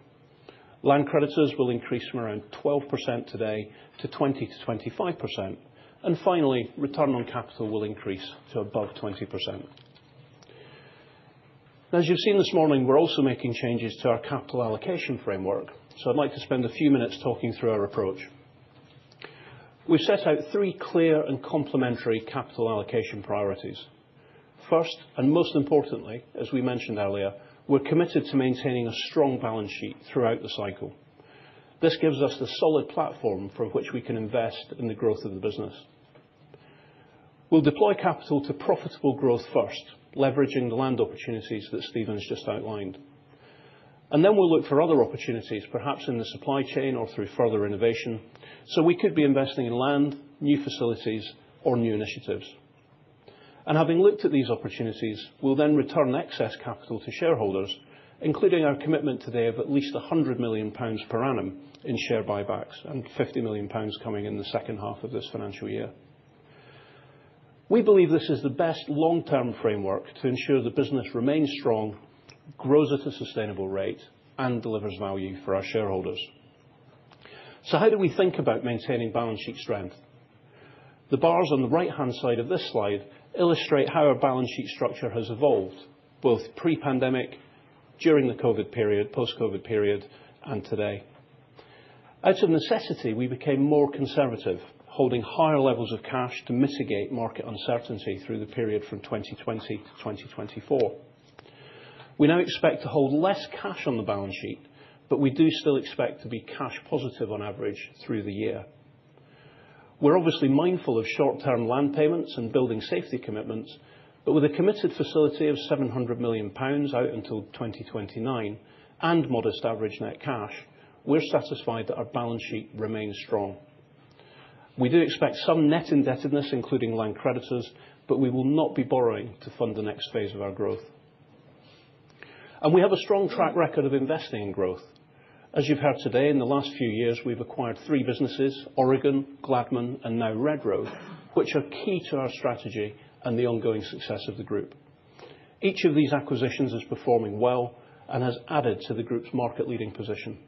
Land creditors will increase from around 12% today to 20%-25%. And finally, return on capital will increase to above 20%. As you've seen this morning, we're also making changes to our capital allocation framework, so I'd like to spend a few minutes talking through our approach. We've set out three clear and complementary capital allocation priorities. First, and most importantly, as we mentioned earlier, we're committed to maintaining a strong balance sheet throughout the cycle. This gives us the solid platform from which we can invest in the growth of the business. We'll deploy capital to profitable growth first, leveraging the land opportunities that Steven has just outlined. And then we'll look for other opportunities, perhaps in the supply chain or through further innovation, so we could be investing in land, new facilities, or new initiatives. And having looked at these opportunities, we'll then return excess capital to shareholders, including our commitment today of at least 100 million pounds per annum in share buybacks and 50 million pounds coming in the second half of this financial year. We believe this is the best long-term framework to ensure the business remains strong, grows at a sustainable rate, and delivers value for our shareholders. So how do we think about maintaining balance sheet strength? The bars on the right-hand side of this slide illustrate how our balance sheet structure has evolved, both pre-pandemic, during the COVID period, post-COVID period, and today. Out of necessity, we became more conservative, holding higher levels of cash to mitigate market uncertainty through the period from 2020 to 2024. We now expect to hold less cash on the balance sheet, but we do still expect to be cash positive on average through the year. We're obviously mindful of short-term land payments and building safety commitments, but with a committed facility of 700 million pounds out until 2029 and modest average net cash, we're satisfied that our balance sheet remains strong. We do expect some net indebtedness, including land creditors, but we will not be borrowing to fund the next phase of our growth. And we have a strong track record of investing in growth. As you've heard today, in the last few years, we've acquired three businesses: Oregon, Gladman, and now Redrow, which are key to our strategy and the ongoing success of the group. Each of these acquisitions is performing well and has added to the group's market-leading position.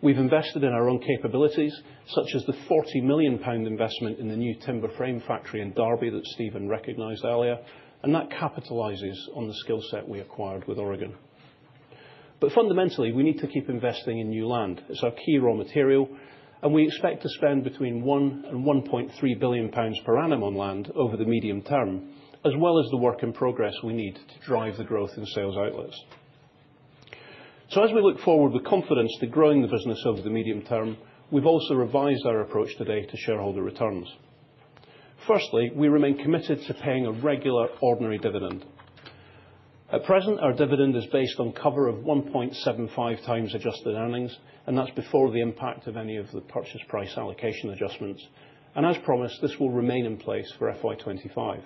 We've invested in our own capabilities, such as the 40 million pound investment in the new timber frame factory in Derby that Steven recognized earlier, and that capitalizes on the skill set we acquired with Oregon. But fundamentally, we need to keep investing in new land. It's our key raw material, and we expect to spend between £1 billion and £1.3 billion per annum on land over the medium term, as well as the work in progress we need to drive the growth in sales outlets. So as we look forward with confidence to growing the business over the medium term, we've also revised our approach today to shareholder returns. Firstly, we remain committed to paying a regular ordinary dividend. At present, our dividend is based on cover of 1.75x adjusted earnings, and that's before the impact of any of the purchase price allocation adjustments. And as promised, this will remain in place for FY 2025.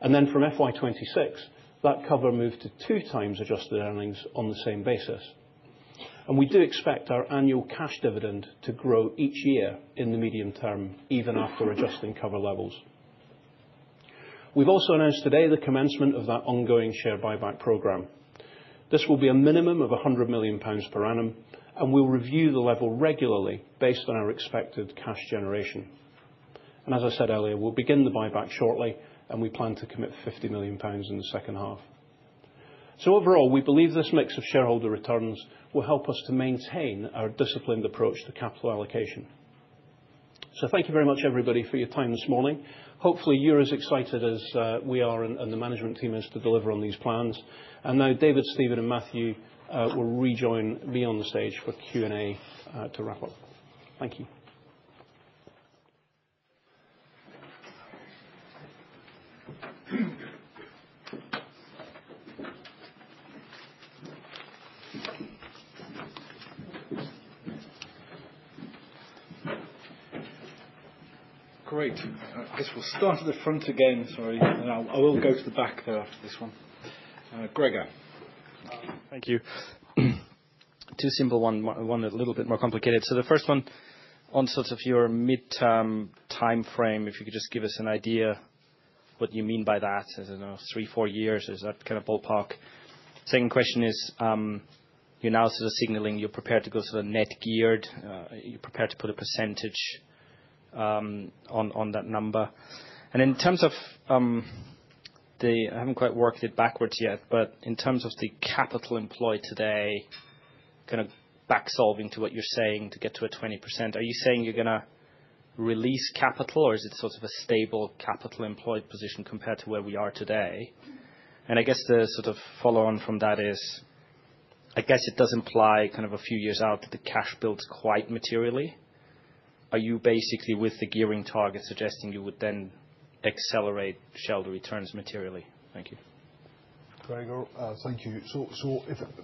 And then from FY 2026, that cover moved to 2x adjusted earnings on the same basis. We do expect our annual cash dividend to grow each year in the medium term, even after adjusting cover levels. We've also announced today the commencement of that ongoing share buyback program. This will be a minimum of 100 million pounds per annum, and we'll review the level regularly based on our expected cash generation. As I said earlier, we'll begin the buyback shortly, and we plan to commit 50 million pounds in the second half. Overall, we believe this mix of shareholder returns will help us to maintain our disciplined approach to capital allocation. Thank you very much, everybody, for your time this morning. Hopefully, you're as excited as we are and the management team is to deliver on these plans. Now David, Steven, and Matthew will rejoin me on the stage for Q&A to wrap up. Thank you. Great. I guess we'll start at the front again, sorry, and I will go to the back there after this one. Gregor. Thank you. Two simple ones, one a little bit more complicated. So the first one, on sort of your mid-term timeframe, if you could just give us an idea of what you mean by that, as in those three, four years, is that kind of ballpark? Second question is, you're now sort of signaling you're prepared to go sort of net-geared, you're prepared to put a percentage on that number. And in terms of the—I haven't quite worked it backwards yet, but in terms of the capital employed today, kind of back-solving to what you're saying to get to a 20%, are you saying you're going to release capital, or is it sort of a stable capital-employed position compared to where we are today? I guess the sort of follow-on from that is, I guess it does imply kind of a few years out that the cash builds quite materially. Are you basically with the gearing target suggesting you would then accelerate shareholder returns materially? Thank you. Gregor, thank you. So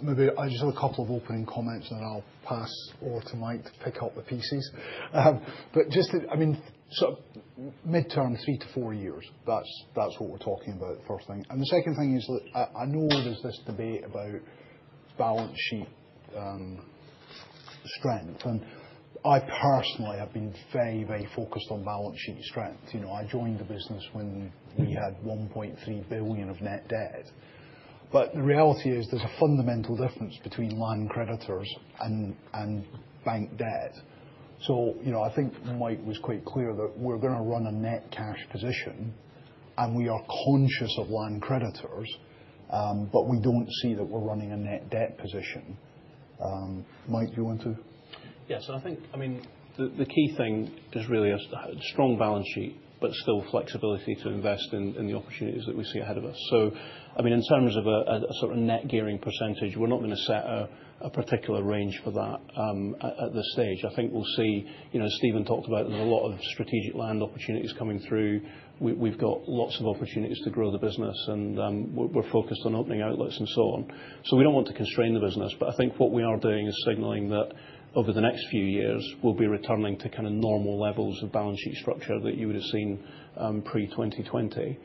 maybe I just have a couple of opening comments, and then I'll pass over to Mike to pick up the pieces. But just to, I mean, sort of mid-term, three to four years, that's what we're talking about, first thing. And the second thing is, I know there's this debate about balance sheet strength, and I personally have been very, very focused on balance sheet strength. I joined the business when we had £1.3 billion of net debt. But the reality is there's a fundamental difference between land creditors and bank debt. So I think Mike was quite clear that we're going to run a net cash position, and we are conscious of land creditors, but we don't see that we're running a net debt position. Mike, do you want to? Yes. I think, I mean, the key thing is really a strong balance sheet, but still flexibility to invest in the opportunities that we see ahead of us. So, I mean, in terms of a sort of net gearing percentage, we're not going to set a particular range for that at this stage. I think we'll see. Steven talked about there's a lot of strategic land opportunities coming through. We've got lots of opportunities to grow the business, and we're focused on opening outlets and so on. So we don't want to constrain the business, but I think what we are doing is signaling that over the next few years, we'll be returning to kind of normal levels of balance sheet structure that you would have seen pre-2020.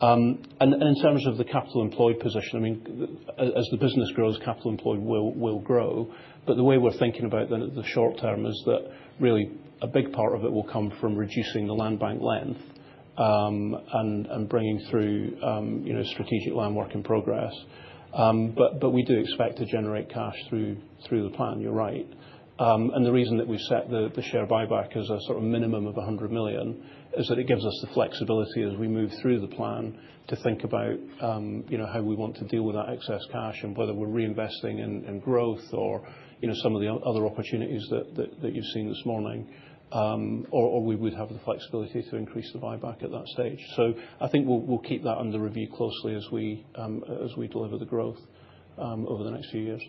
And in terms of the capital-employed position, I mean, as the business grows, capital-employed will grow, but the way we're thinking about the short term is that really a big part of it will come from reducing the land bank length and bringing through strategic land work in progress. But we do expect to generate cash through the plan, you're right. The reason that we've set the share buyback as a sort of minimum of 100 million is that it gives us the flexibility as we move through the plan to think about how we want to deal with that excess cash and whether we're reinvesting in growth or some of the other opportunities that you've seen this morning, or we would have the flexibility to increase the buyback at that stage. I think we'll keep that under review closely as we deliver the growth over the next few years.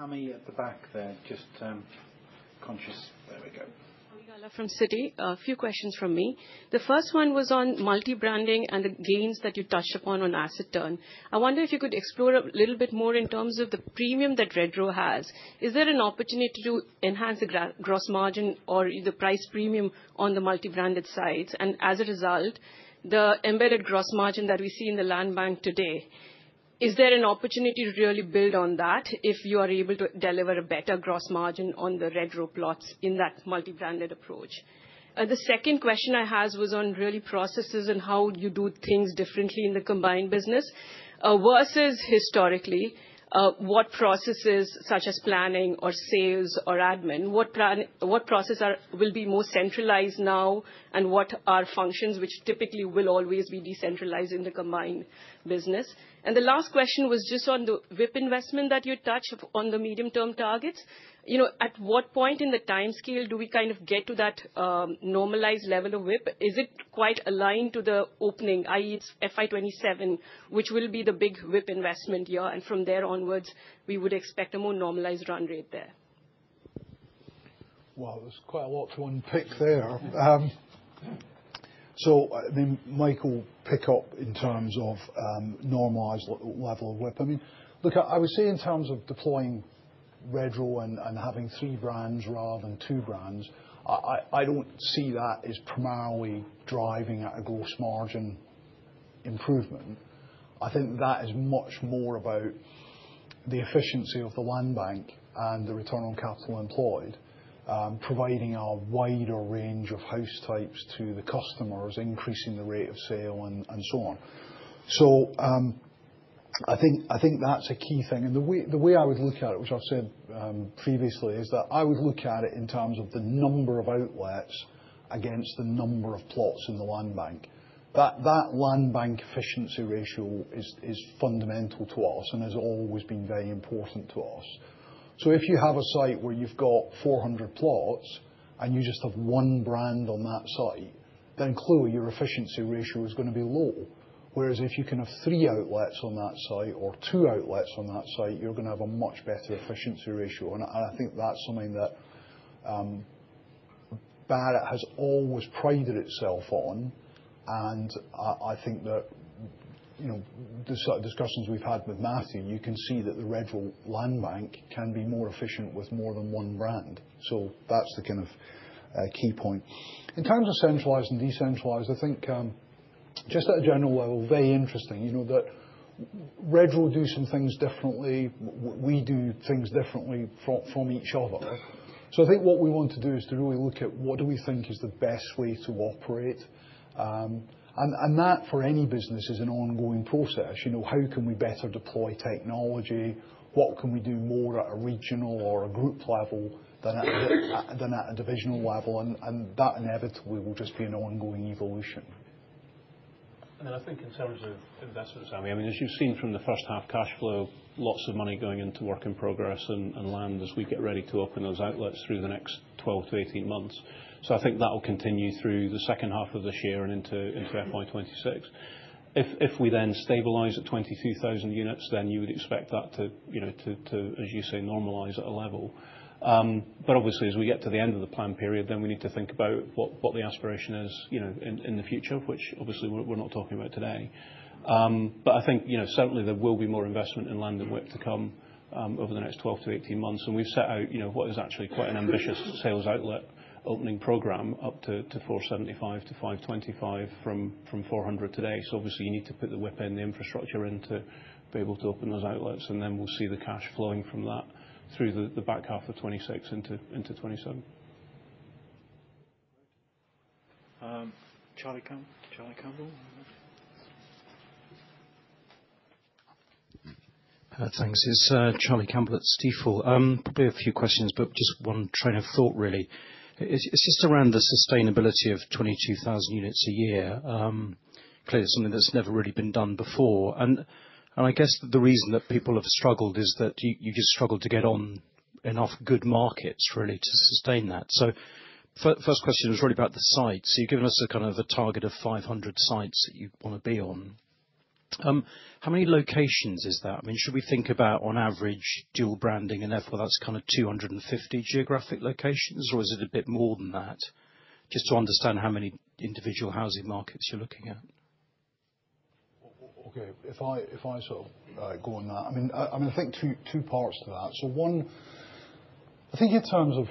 Great. We'll go to Ami Galla at the back there, just conscious. There we go. Ami Galla from Citi. A few questions from me. The first one was on multi-branding and the gains that you touched upon on asset turn. I wonder if you could explore a little bit more in terms of the premium that Redrow has. Is there an opportunity to enhance the gross margin or the price premium on the multi-branded sites? And as a result, the embedded gross margin that we see in the land bank today, is there an opportunity to really build on that if you are able to deliver a better gross margin on the Redrow plots in that multi-branded approach? The second question I had was on really processes and how you do things differently in the combined business versus historically, what processes such as planning or sales or admin, what process will be more centralized now, and what are functions which typically will always be decentralized in the combined business? And the last question was just on the WIP investment that you touched on the medium-term targets. At what point in the timescale do we kind of get to that normalized level of WIP? Is it quite aligned to the opening, i.e., it's FY 2027, which will be the big WIP investment year, and from there onwards, we would expect a more normalized run rate there? Wow, there's quite a lot to unpick there. I mean, Mike will pick up in terms of normalized level of WIP. I mean, look, I would say in terms of deploying Redrow and having three brands rather than two brands, I don't see that as primarily driving a gross margin improvement. I think that is much more about the efficiency of the land bank and the return on capital employed, providing a wider range of house types to the customers, increasing the rate of sale and so on. I think that's a key thing. And the way I would look at it, which I've said previously, is that I would look at it in terms of the number of outlets against the number of plots in the land bank. That land bank efficiency ratio is fundamental to us and has always been very important to us. So if you have a site where you've got 400 plots and you just have one brand on that site, then clearly your efficiency ratio is going to be low. Whereas if you can have three outlets on that site or two outlets on that site, you're going to have a much better efficiency ratio. And I think that's something that Barratt has always prided itself on. And I think that the sort of discussions we've had with Matthew, you can see that the Redrow land bank can be more efficient with more than one brand. That's the kind of key point. In terms of centralized and decentralized, I think just at a general level, very interesting that Redrow do some things differently, we do things differently from each other. I think what we want to do is to really look at what do we think is the best way to operate. That for any business is an ongoing process. How can we better deploy technology? What can we do more at a regional or a group level than at a divisional level? That inevitably will just be an ongoing evolution. Then I think in terms of investments, Ami, I mean, as you've seen from the first half cash flow, lots of money going into work in progress and land as we get ready to open those outlets through the next 12-18 months. So I think that'll continue through the second half of this year and into FY 2026. If we then stabilize at 22,000 units, then you would expect that to, as you say, normalize at a level. But obviously, as we get to the end of the plan period, then we need to think about what the aspiration is in the future, which obviously we're not talking about today. But I think certainly there will be more investment in land and WIP to come over the next 12-18 months. And we've set out what is actually quite an ambitious sales outlet opening program up to 475-525 from 400 today. So obviously, you need to put the WIP in, the infrastructure in to be able to open those outlets, and then we'll see the cash flowing from that through the back half of 2026 into 2027. Charlie Campbell. Thanks. It's Charlie Campbell at Stifel. Probably a few questions, but just one train of thought, really. It's just around the sustainability of 22,000 units a year. Clearly, it's something that's never really been done before. And I guess the reason that people have struggled is that you just struggle to get on and off good markets, really, to sustain that. So first question was really about the sites. So you've given us a kind of a target of 500 sites that you want to be on. How many locations is that? I mean, should we think about, on average, dual branding enough where that's kind of 250 geographic locations, or is it a bit more than that? Just to understand how many individual housing markets you're looking at. Okay. If I sort of go on that, I mean, I think two parts to that. So one, I think in terms of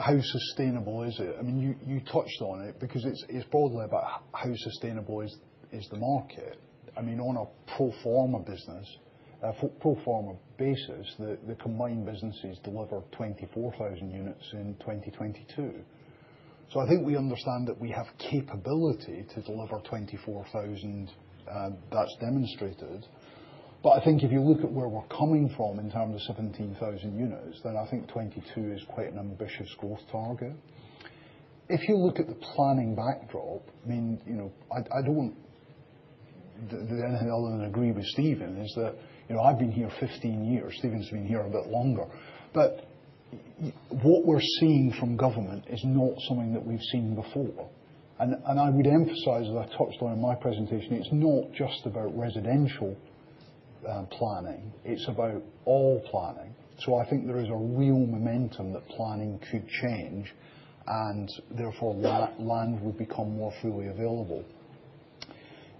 how sustainable is it? I mean, you touched on it because it's broadly about how sustainable is the market. I mean, on a pro forma business, a pro forma basis, the combined businesses deliver 24,000 units in 2022. So I think we understand that we have capability to deliver 24,000. That's demonstrated. But I think if you look at where we're coming from in terms of 17,000 units, then I think 22000, is quite an ambitious growth target. If you look at the planning backdrop, I mean, I don't want anything other than agree with Steven is that I've been here 15 years. Steven's been here a bit longer. But what we're seeing from government is not something that we've seen before. And I would emphasize that I touched on in my presentation, it's not just about residential planning. It's about all planning. So I think there is a real momentum that planning could change, and therefore land would become more freely available.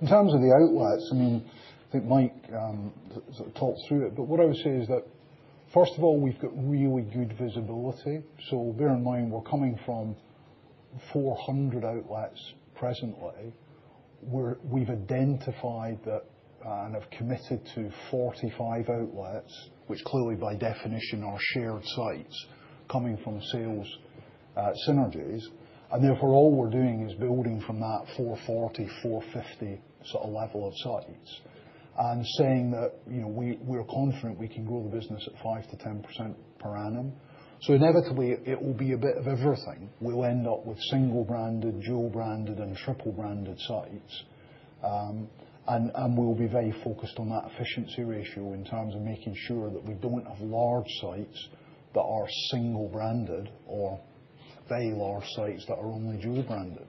In terms of the outlets, I mean, I think Mike sort of talked through it, but what I would say is that, first of all, we've got really good visibility. So bear in mind we're coming from 400 outlets presently. We've identified that and have committed to 45 outlets, which clearly by definition are shared sites coming from sales synergies. And therefore, all we're doing is building from that 440, 450 sort of level of sites and saying that we're confident we can grow the business at 5%-10% per annum. So inevitably, it will be a bit of everything. We'll end up with single-branded, dual-branded, and triple-branded sites. and we'll be very focused on that efficiency ratio in terms of making sure that we don't have large sites that are single-branded or very large sites that are only dual-branded.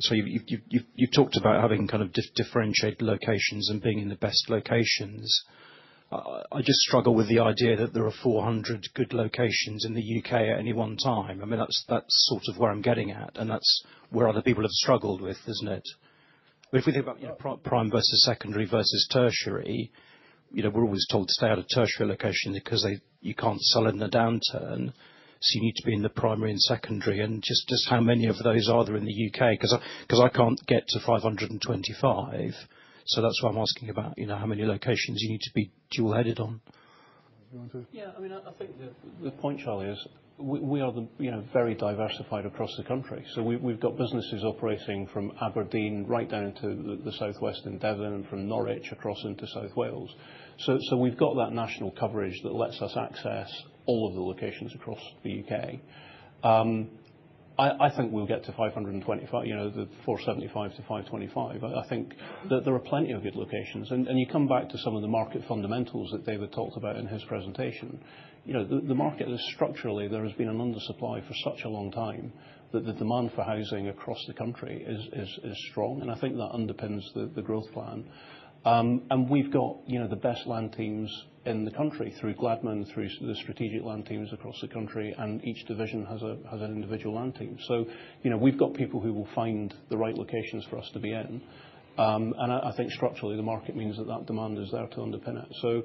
So you've talked about having kind of differentiated locations and being in the best locations. I just struggle with the idea that there are 400 good locations in the U.K. at any one time. I mean, that's sort of where I'm getting at, and that's where other people have struggled with, isn't it? If we think about prime versus secondary versus tertiary, we're always told to stay out of tertiary locations because you can't sell in the downturn. So you need to be in the primary and secondary. And just how many of those are there in the U.K.? Because I can't get to 525. So that's why I'm asking about how many locations you need to be dual-headed on. Do you want to? Yeah. I mean, I think the point, Charlie, is we are very diversified across the country. So we've got businesses operating from Aberdeen right down to the southwest in Devon and from Norwich across into South Wales. So we've got that national coverage that lets us access all of the locations across the U.K. I think we'll get to 525, the 475-525. I think that there are plenty of good locations. And you come back to some of the market fundamentals that David talked about in his presentation. The market is structurally, there has been an undersupply for such a long time that the demand for housing across the country is strong. And I think that underpins the growth plan. And we've got the best land teams in the country through Gladman and through the strategic land teams across the country, and each division has an individual land team. So we've got people who will find the right locations for us to be in. And I think structurally, the market means that that demand is there to underpin it. So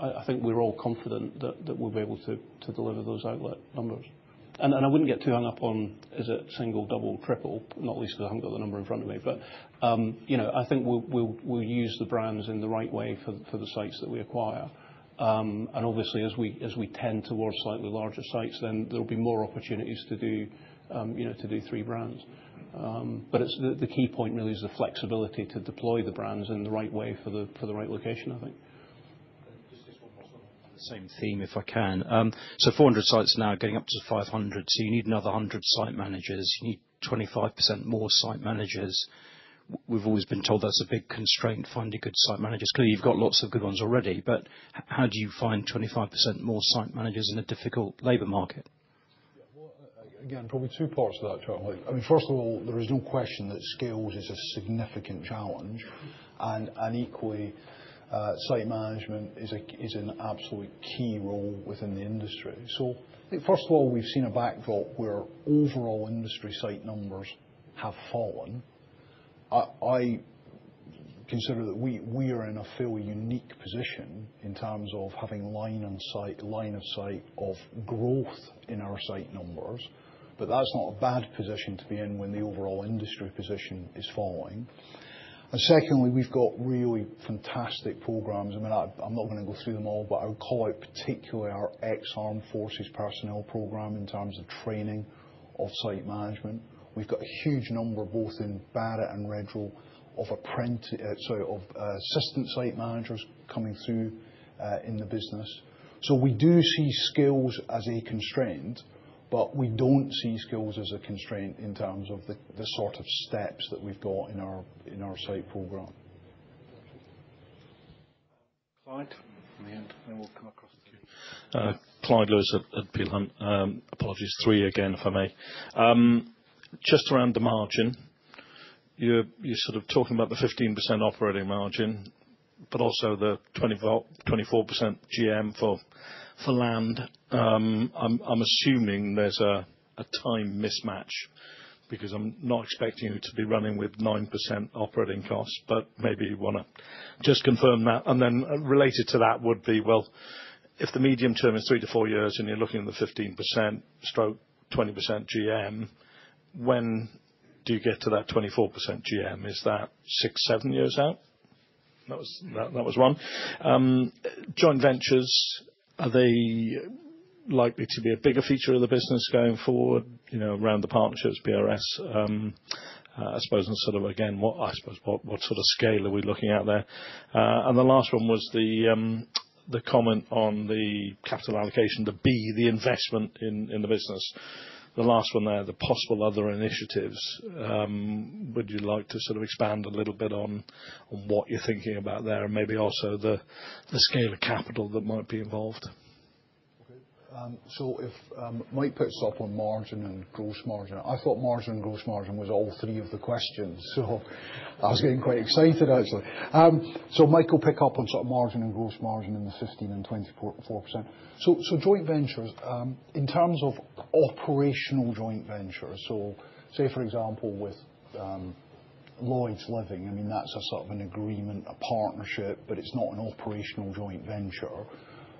I think we're all confident that we'll be able to deliver those outlet numbers. And I wouldn't get too hung up on, is it single, double, triple? Not least because I haven't got the number in front of me. But I think we'll use the brands in the right way for the sites that we acquire. And obviously, as we tend towards slightly larger sites, then there will be more opportunities to do three brands. But the key point really is the flexibility to deploy the brands in the right way for the right location, I think. Just one more on the same theme, if I can. So 400 sites now getting up to 500. So you need another 100 site managers. You need 25% more site managers. We've always been told that's a big constraint, finding good site managers. Clearly, you've got lots of good ones already, but how do you find 25% more site managers in a difficult labor market? Yeah. Well, again, probably two parts to that, Charlie. I mean, first of all, there is no question that scale is a significant challenge. And equally, site management is an absolute key role within the industry. So I think, first of all, we've seen a backdrop where overall industry site numbers have fallen. I consider that we are in a fairly unique position in terms of having line of sight of growth in our site numbers, but that's not a bad position to be in when the overall industry position is falling. And secondly, we've got really fantastic programs. I mean, I'm not going to go through them all, but I would call out particularly our ex-Armed Forces personnel program in terms of training of site management. We've got a huge number, both in Barratt and Redrow, of assistant site managers coming through in the business, so we do see skills as a constraint, but we don't see skills as a constraint in terms of the sort of steps that we've got in our site program. Clyde, and then we'll come across the queue. Clyde Lewis at Peel Hunt, apologies. Three again, if I may. Just around the margin, you're sort of talking about the 15% operating margin, but also the 24% GM for land. I'm assuming there's a time mismatch because I'm not expecting you to be running with 9% operating costs, but maybe you want to just confirm that, and then related to that would be, well, if the medium term is three to four years and you're looking at the 15%-20% GM, when do you get to that 24% GM? Is that six, seven years out? That was one. Joint ventures, are they likely to be a bigger feature of the business going forward around the partnerships, PRS? I suppose instead of, again, I suppose what sort of scale are we looking at there, and the last one was the comment on the capital allocation, the B, the investment in the business. The last one there, the possible other initiatives. Would you like to sort of expand a little bit on what you're thinking about there and maybe also the scale of capital that might be involved? Okay. So if Mike puts up on margin and gross margin, I thought margin and gross margin was all three of the questions. So I was getting quite excited, actually. So Mike will picked up on sort of margin and gross margin in the 15%-24%. So joint ventures, in terms of operational joint ventures, so say, for example, with Lloyds Living, I mean, that's a sort of an agreement, a partnership, but it's not an operational joint venture.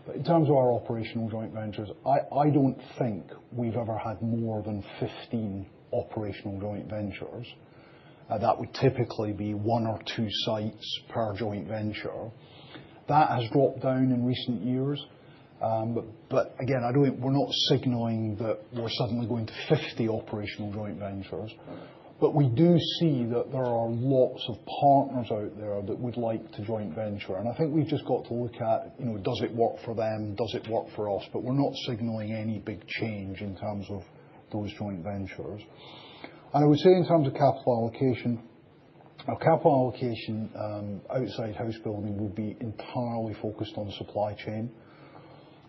But in terms of our operational joint ventures, I don't think we've ever had more than 15 operational joint ventures. That would typically be one or two sites per joint venture. That has dropped down in recent years. But again, we're not signaling that we're suddenly going to 50 operational joint ventures. But we do see that there are lots of partners out there that would like to joint venture. And I think we've just got to look at, does it work for them? Does it work for us? But we're not signaling any big change in terms of those joint ventures. And I would say in terms of capital allocation, our capital allocation outside housebuilding would be entirely focused on supply chain.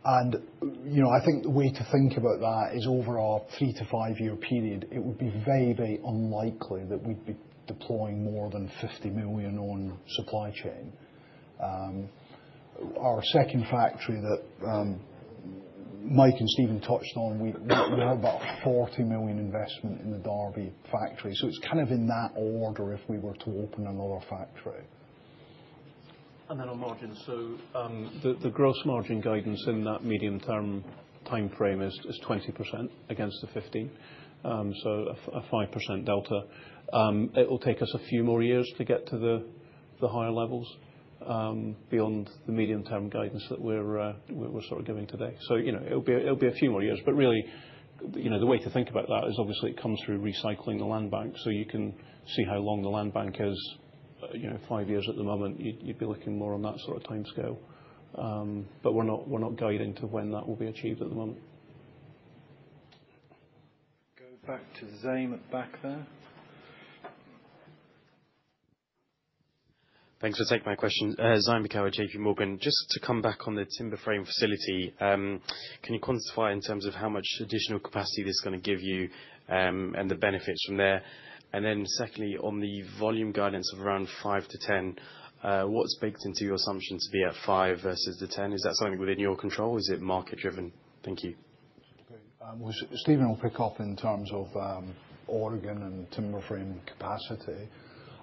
And I think the way to think about that is over 3-5 year period, it would be very, very unlikely that we'd be deploying more than 50 million on supply chain. Our second factory that Mike and Steven touched on, we have about a 40 million investment in the Derby factory. It's kind of in that order if we were to open another factory. And then on margin, the gross margin guidance in that medium-term time frame is 20% against the 15%, so a 5% delta. It will take us a few more years to get to the higher levels beyond the medium-term guidance that we're sort of giving today. It'll be a few more years. But really, the way to think about that is obviously it comes through recycling the land bank so you can see how long the land bank is. Five years at the moment, you'd be looking more on that sort of timescale. But we're not guiding to when that will be achieved at the moment. Go back to Zaim at the back there. Thanks for taking my question. Zaim Beekawa, J.P. Morgan. Just to come back on the timber frame facility, can you quantify in terms of how much additional capacity this is going to give you and the benefits from there? And then secondly, on the volume guidance of around 5-10, what's baked into your assumption to be at 5 versus the 10? Is that something within your control? Is it market-driven? Thank you. Okay. Steven will pick up in terms of Oregon and timber frame capacity.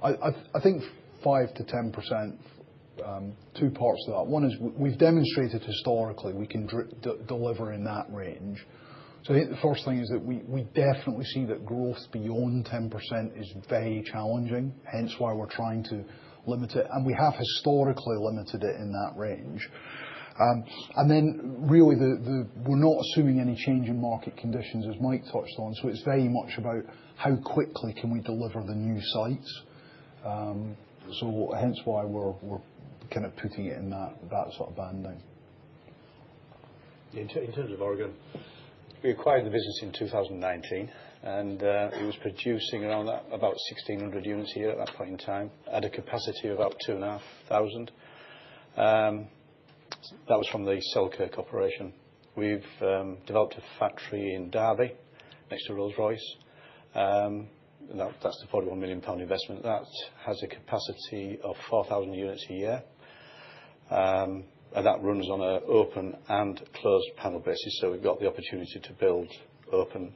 I think 5%-10%, two parts to that. One is we've demonstrated historically we can deliver in that range. So I think the first thing is that we definitely see that growth beyond 10% is very challenging, hence why we're trying to limit it. And we have historically limited it in that range. And then really, we're not assuming any change in market conditions, as Mike touched on. It's very much about how quickly can we deliver the new sites. So hence why we're kind of putting it in that sort of banding. In terms of Oregon, we acquired the business in 2019, and it was producing around about 1,600 units here at that point in time at a capacity of about 2,500. That was from the Selkirk operation. We've developed a factory in Derby next to Rolls-Royce. That's the 41 million pound investment. That has a capacity of 4,000 units a year. And that runs on an open and closed panel basis. So we've got the opportunity to build open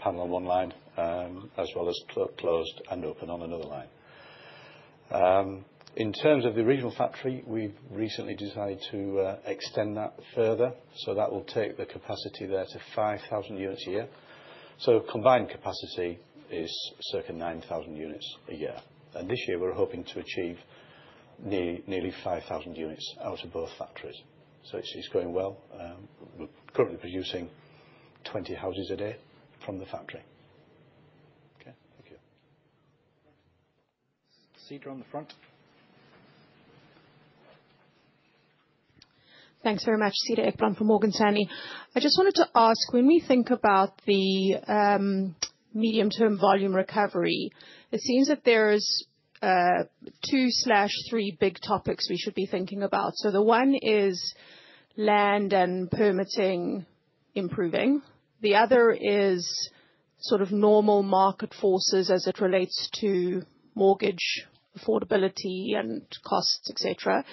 panel on one line as well as closed and open on another line. In terms of the regional factory, we've recently decided to extend that further. So that will take the capacity there to 5,000 units a year. So combined capacity is circa 9,000 units a year. This year, we're hoping to achieve nearly 5,000 units out of both factories. So it's going well. We're currently producing 20 houses a day from the factory. Okay. Thank you. Cedar on the front. Thanks very much. Cedar Ekblom from Morgan Stanley. I just wanted to ask, when we think about the medium-term volume recovery, it seems that there's two/three big topics we should be thinking about. So the one is land and permitting improving. The other is sort of normal market forces as it relates to mortgage affordability and costs, etc.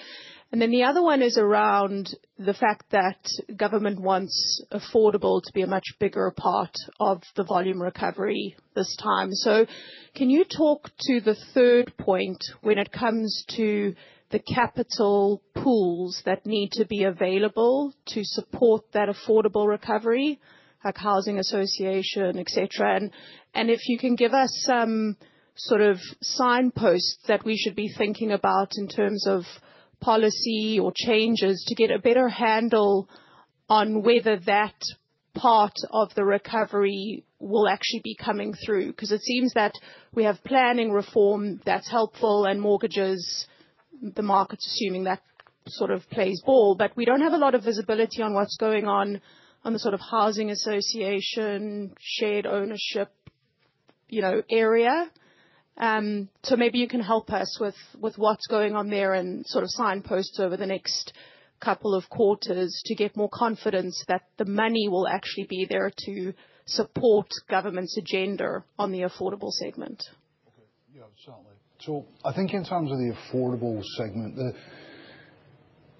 And then the other one is around the fact that government wants affordable to be a much bigger part of the volume recovery this time. So can you talk to the third point when it comes to the capital pools that need to be available to support that affordable recovery, like housing association, etc.? If you can give us some sort of signposts that we should be thinking about in terms of policy or changes to get a better handle on whether that part of the recovery will actually be coming through. Because it seems that we have planning reform that's helpful and mortgages. The market's assuming that sort of plays ball. We don't have a lot of visibility on what's going on in the sort of housing association shared ownership area. Maybe you can help us with what's going on there and sort of signposts over the next couple of quarters to get more confidence that the money will actually be there to support government's agenda on the affordable segment. Okay. Yeah. Certainly. I think in terms of the affordable segment,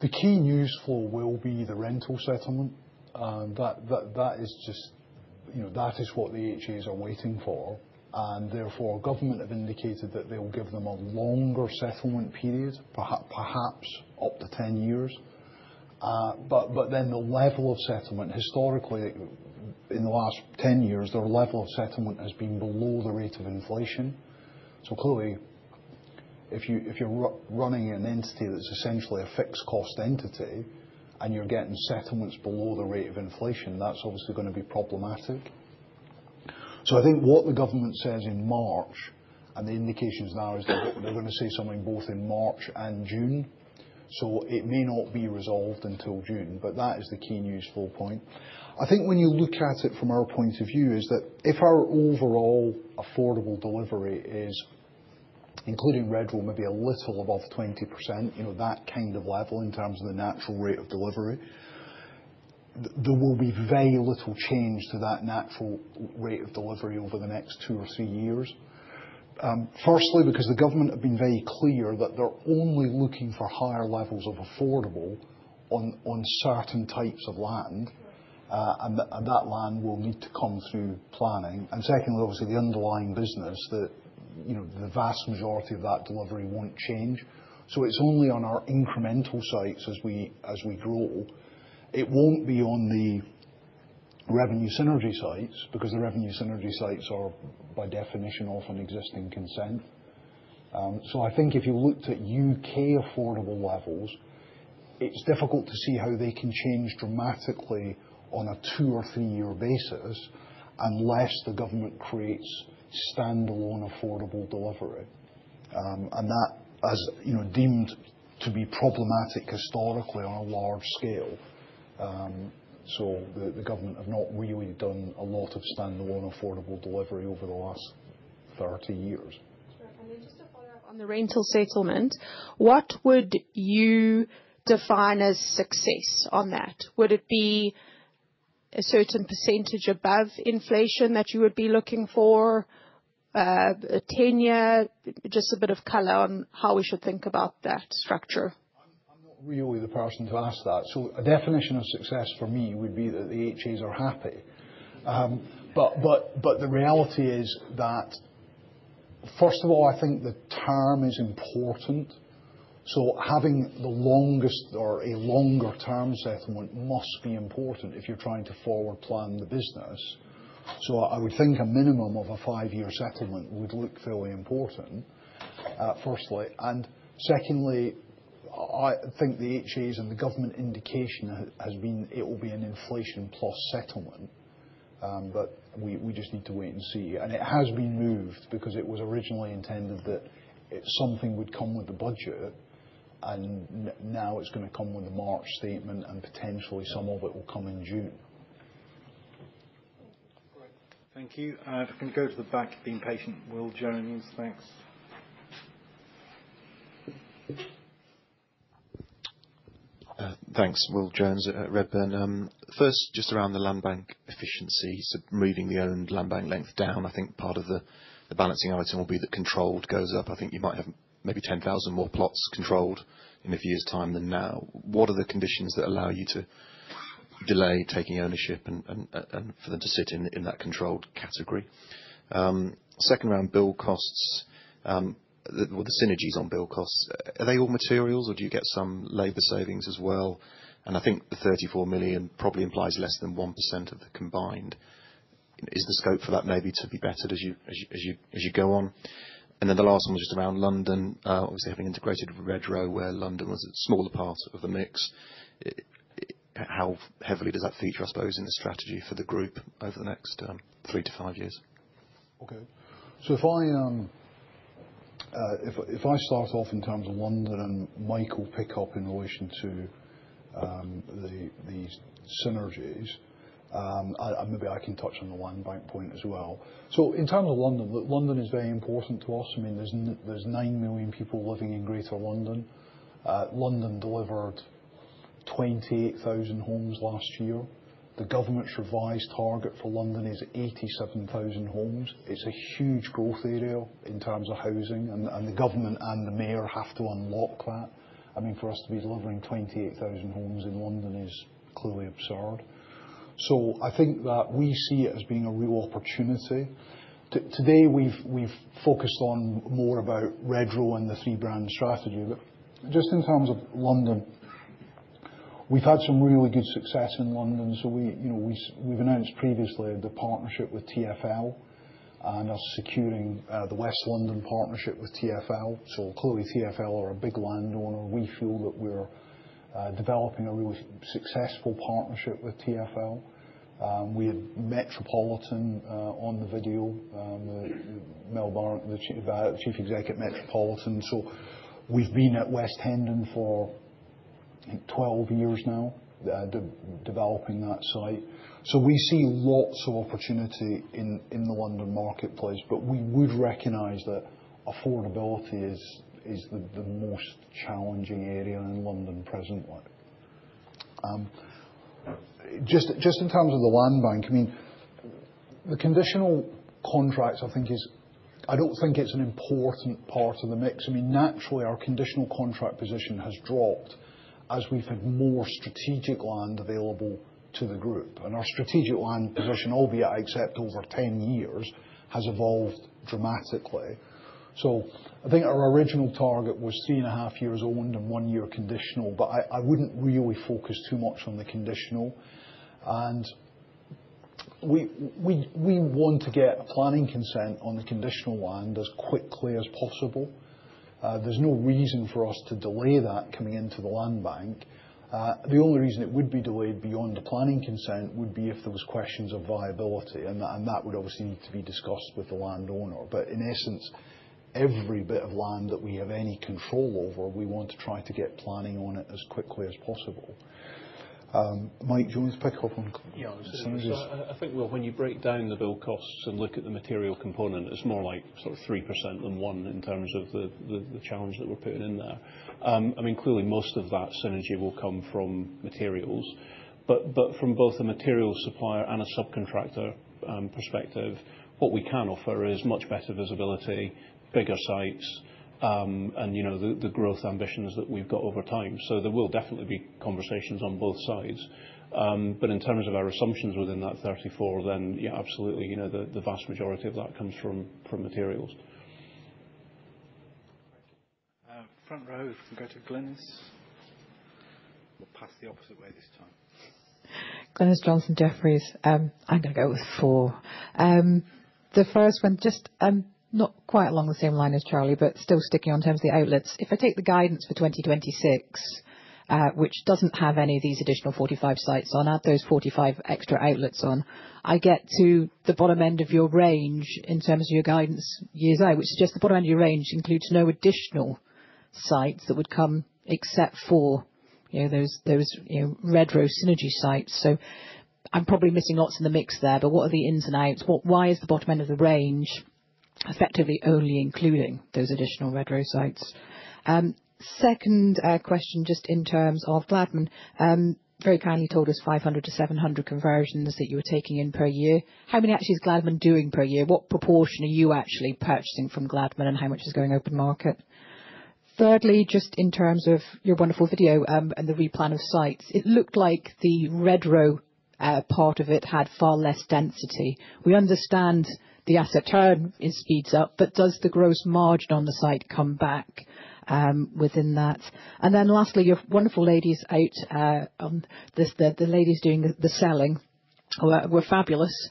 the key news for us will be the rental settlement. That is just what the HAs are waiting for, and therefore, government have indicated that they will give them a longer settlement period, perhaps up to 10 years, but then the level of settlement, historically, in the last 10 years, their level of settlement has been below the rate of inflation. So clearly, if you're running an entity that's essentially a fixed cost entity and you're getting settlements below the rate of inflation, that's obviously going to be problematic. So I think what the government says in March and the indications now is they're going to say something both in March and June, so it may not be resolved until June, but that is the key news for point. I think when you look at it from our point of view is that if our overall affordable delivery is, including Redrow, maybe a little above 20%, that kind of level in terms of the natural rate of delivery, there will be very little change to that natural rate of delivery over the next two or three years. Firstly, because the government have been very clear that they're only looking for higher levels of affordable on certain types of land, and that land will need to come through planning, and secondly, obviously, the underlying business, that the vast majority of that delivery won't change, so it's only on our incremental sites as we grow. It won't be on the revenue synergy sites because the revenue synergy sites are by definition of an existing consent. I think if you looked at U.K. affordable levels, it's difficult to see how they can change dramatically on a two or three-year basis unless the government creates standalone affordable delivery. And that has been deemed to be problematic historically on a large scale. The government have not really done a lot of standalone affordable delivery over the last 30 years. Then just to follow up on the rental settlement, what would you define as success on that? Would it be a certain percentage above inflation that you would be looking for, a tenure, just a bit of color on how we should think about that structure? I'm not really the person to ask that. A definition of success for me would be that the HAs are happy. But the reality is that, first of all, I think the term is important. So having the longest or a longer-term settlement must be important if you're trying to forward plan the business. So I would think a minimum of a five-year settlement would look fairly important, firstly. And secondly, I think the HAs and the government indication has been it will be an inflation-plus settlement. But we just need to wait and see. And it has been moved because it was originally intended that something would come with the budget, and now it's going to come with the March statement, and potentially some of it will come in June. Great. Thank you. Can you go to the back, you've been patient Will Jones. Thanks. Thanks. Will Jones at Redburn. First, just around the land bank efficiency, so moving the owned land bank length down, I think part of the balancing item will be that controlled goes up. I think you might have maybe 10,000 more plots controlled in a few years' time than now. What are the conditions that allow you to delay taking ownership and for them to sit in that controlled category? Second round, build costs. The synergies on build costs, are they all materials, or do you get some labor savings as well? And I think the 34 million probably implies less than 1% of the combined. Is the scope for that maybe to be bettered as you go on? And then the last one was just around London, obviously having integrated with Redrow, where London was a smaller part of the mix. How heavily does that feature, I suppose, in the strategy for the group over the next three-to-five years? Okay. So if I start off in terms of London and Mike will pick up in relation to the synergies, maybe I can touch on the land bank point as well. So in terms of London, London is very important to us. I mean, there's nine million people living in Greater London. London delivered 28,000 homes last year. The government's revised target for London is 87,000 homes. It's a huge growth area in terms of housing, and the government and the mayor have to unlock that. I mean, for us to be delivering 28,000 homes in London is clearly absurd. So I think that we see it as being a real opportunity. Today, we've focused on more about Redrow and the three-brand strategy. But just in terms of London, we've had some really good success in London. We've announced previously the partnership with TfL, and us securing the West London partnership with TfL. So clearly, TfL are a big landowner. We feel that we're developing a really successful partnership with TfL. We had Metropolitan on the video, the Chief Executive Metropolitan. So we've been at West Hendon for 12 years now developing that site. So we see lots of opportunity in the London marketplace, but we would recognize that affordability is the most challenging area in London presently. Just in terms of the land bank, I mean, the conditional contracts, I think, is I don't think it's an important part of the mix. I mean, naturally, our conditional contract position has dropped as we've had more strategic land available to the group. And our strategic land position, albeit I accept over 10 years, has evolved dramatically. So I think our original target was three and a half years owned and one year conditional, but I wouldn't really focus too much on the conditional. And we want to get a planning consent on the conditional land as quickly as possible. There's no reason for us to delay that coming into the land bank. The only reason it would be delayed beyond the planning consent would be if there were questions of viability, and that would obviously need to be discussed with the landowner. But in essence, every bit of land that we have any control over, we want to try to get planning on it as quickly as possible. Mike do you want to pick up on. Yeah. I think, well, when you break down the bill costs and look at the material component, it's more like sort of 3% than 1% in terms of the challenge that we're putting in there. I mean, clearly, most of that synergy will come from materials. But from both a material supplier and a subcontractor perspective, what we can offer is much better visibility, bigger sites, and the growth ambitions that we've got over time. So there will definitely be conversations on both sides. But in terms of our assumptions within that 34, then absolutely, the vast majority of that comes from materials. Front row, if we go to Glynis. We'll pass the opposite way this time. Glynis Johnson, Jefferies. I'm going to go with four. The first one, just not quite along the same line as Charlie, but still sticking on terms of the outlets. If I take the guidance for 2026, which doesn't have any of these additional 45 sites on, add those 45 extra outlets on, I get to the bottom end of your range in terms of your guidance years away, which suggests the bottom end of your range includes no additional sites that would come except for those Redrow synergy sites. So I'm probably missing lots in the mix there, but what are the ins and outs? Why is the bottom end of the range effectively only including those additional Redrow sites? Second question, just in terms of Gladman, very kindly told us 500 to 700 conversions that you were taking in per year. How many actually is Gladman doing per year? What proportion are you actually purchasing from Gladman, and how much is going open market? Thirdly, just in terms of your wonderful video and the replan of sites, it looked like the Redrow part of it had far less density. We understand the asset turn speeds up, but does the gross margin on the site come back within that? And then lastly, your wonderful ladies out on the land doing the selling were fabulous.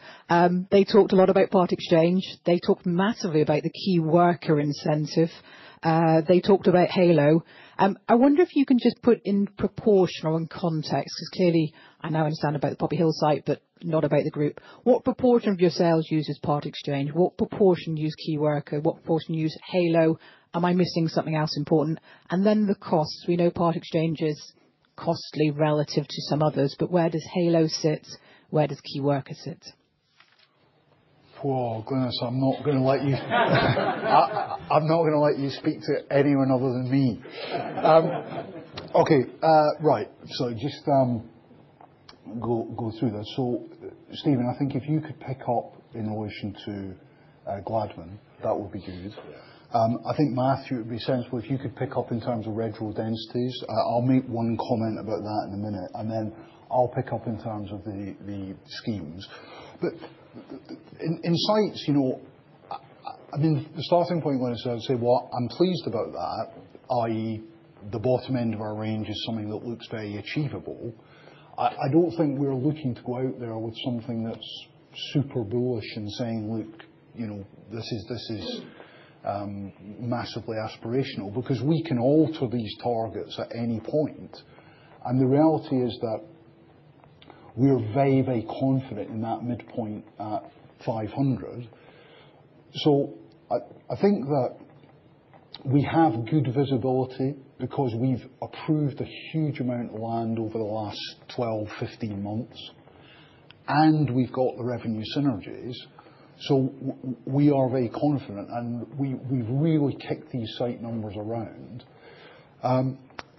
They talked a lot about part exchange. They talked massively about the key worker incentive. They talked about Heylo. I wonder if you can just put it in proportion and context, because clearly, I now understand about the Poppy Hill site, but not about the group. What proportion of your sales uses part exchange? What proportion use key worker? What proportion use Heylo? Am I missing something else important? And then the costs. We know part exchange is costly relative to some others, but where does Heylo sit? Where does key worker sit? Whoa, Glynis, I'm not going to let you speak to anyone other than me. Okay. Right. So just go through that. So Steven, I think if you could pick up in relation to Gladman, that would be good. I think, Matthew, it would be sensible if you could pick up in terms of Redrow densities. I'll make one comment about that in a minute, and then I'll pick up in terms of the schemes. But in sites, I mean, the starting point, Glynis, I would say, well, I'm pleased about that, i.e., the bottom end of our range is something that looks very achievable. I don't think we're looking to go out there with something that's super bullish and saying, "Look, this is massively aspirational," because we can alter these targets at any point. The reality is that we're very, very confident in that midpoint at 500. So I think that we have good visibility because we've approved a huge amount of land over the last 12, 15 months, and we've got the revenue synergies. So we are very confident, and we've really kicked these site numbers around.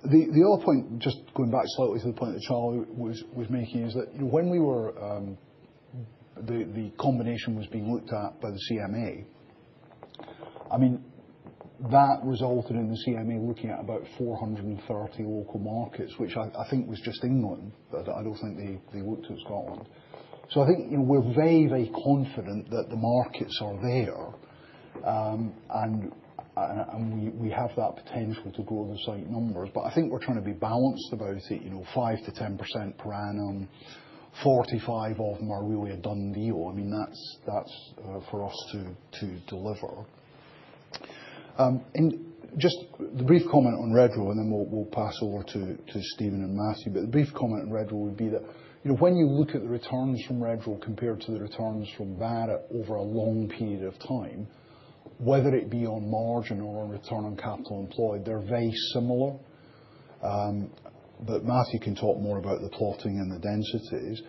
The other point, just going back slightly to the point that Charlie was making, is that when the combination was being looked at by the CMA, I mean, that resulted in the CMA looking at about 430 local markets, which I think was just England. I don't think they looked at Scotland. So I think we're very, very confident that the markets are there, and we have that potential to grow the site numbers. But I think we're trying to be balanced about it, 5%-10% per annum. 45% of them are really a done deal. I mean, that's for us to deliver. Just the brief comment on Redrow, and then we'll pass over to Steven and Matthew. The brief comment on Redrow would be that when you look at the returns from Redrow compared to the returns from Barratt over a long period of time, whether it be on margin or on return on capital employed, they're very similar. Matthew can talk more about the plotting and the densities.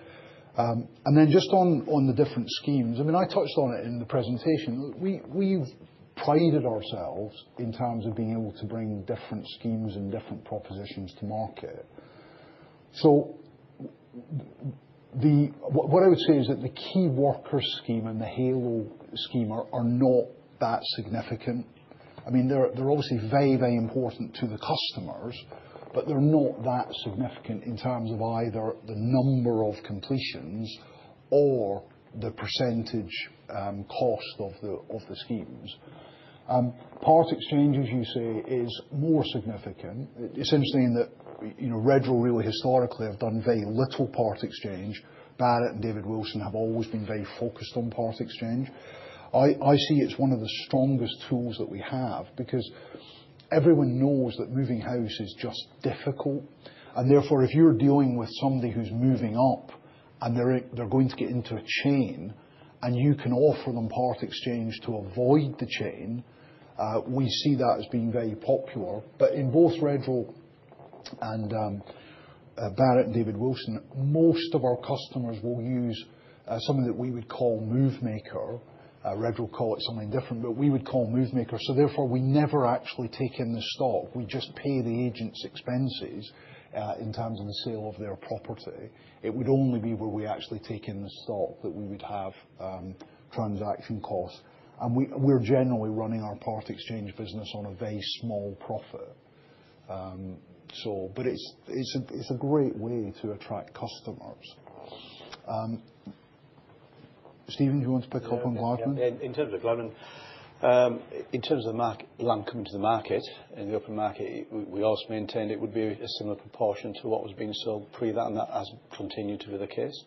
Then just on the different schemes, I mean, I touched on it in the presentation. We've prided ourselves in terms of being able to bring different schemes and different propositions to market. What I would say is that the key worker scheme and the Heylo scheme are not that significant. I mean, they're obviously very, very important to the customers, but they're not that significant in terms of either the number of completions or the percentage cost of the schemes. Part exchange, as you say, is more significant, essentially in that Redrow really historically have done very little part exchange. Barratt and David Wilson have always been very focused on part exchange. I see it's one of the strongest tools that we have because everyone knows that moving house is just difficult. And therefore, if you're dealing with somebody who's moving up and they're going to get into a chain, and you can offer them part exchange to avoid the chain, we see that as being very popular. But in both Redrow and Barratt and David Wilson, most of our customers will use something that we would call Movemaker. Redrow calls it something different, but we would call Movemaker. So therefore, we never actually take in the stock. We just pay the agent's expenses in terms of the sale of their property. It would only be where we actually take in the stock that we would have transaction costs. And we're generally running our part exchange business on a very small profit. But it's a great way to attract customers. Steven, do you want to pick up on Gladman? In terms of Gladman, in terms of land coming to the market and the open market, we also maintained it would be a similar proportion to what was being sold pre that, and that has continued to be the case.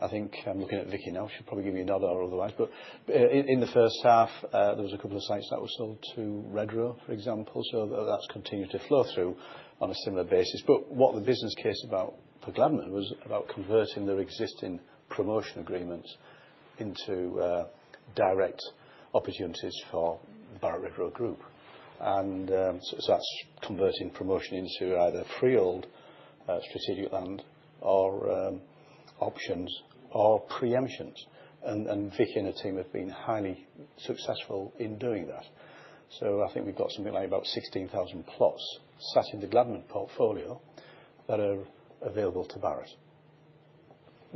I think I'm looking at Vicky now. She'll probably give me an answer otherwise. But in the first half, there was a couple of sites that were sold to Redrow, for example. That's continued to flow through on a similar basis. But what the business case about for Gladman was about converting their existing promotion agreements into direct opportunities for the Barratt Redrow group. And so that's converting promotion into either freehold strategic land or options or preemptions. And Vicky and her team have been highly successful in doing that. So I think we've got something like about 16,000 plots sat in the Gladman portfolio that are available to Barratt,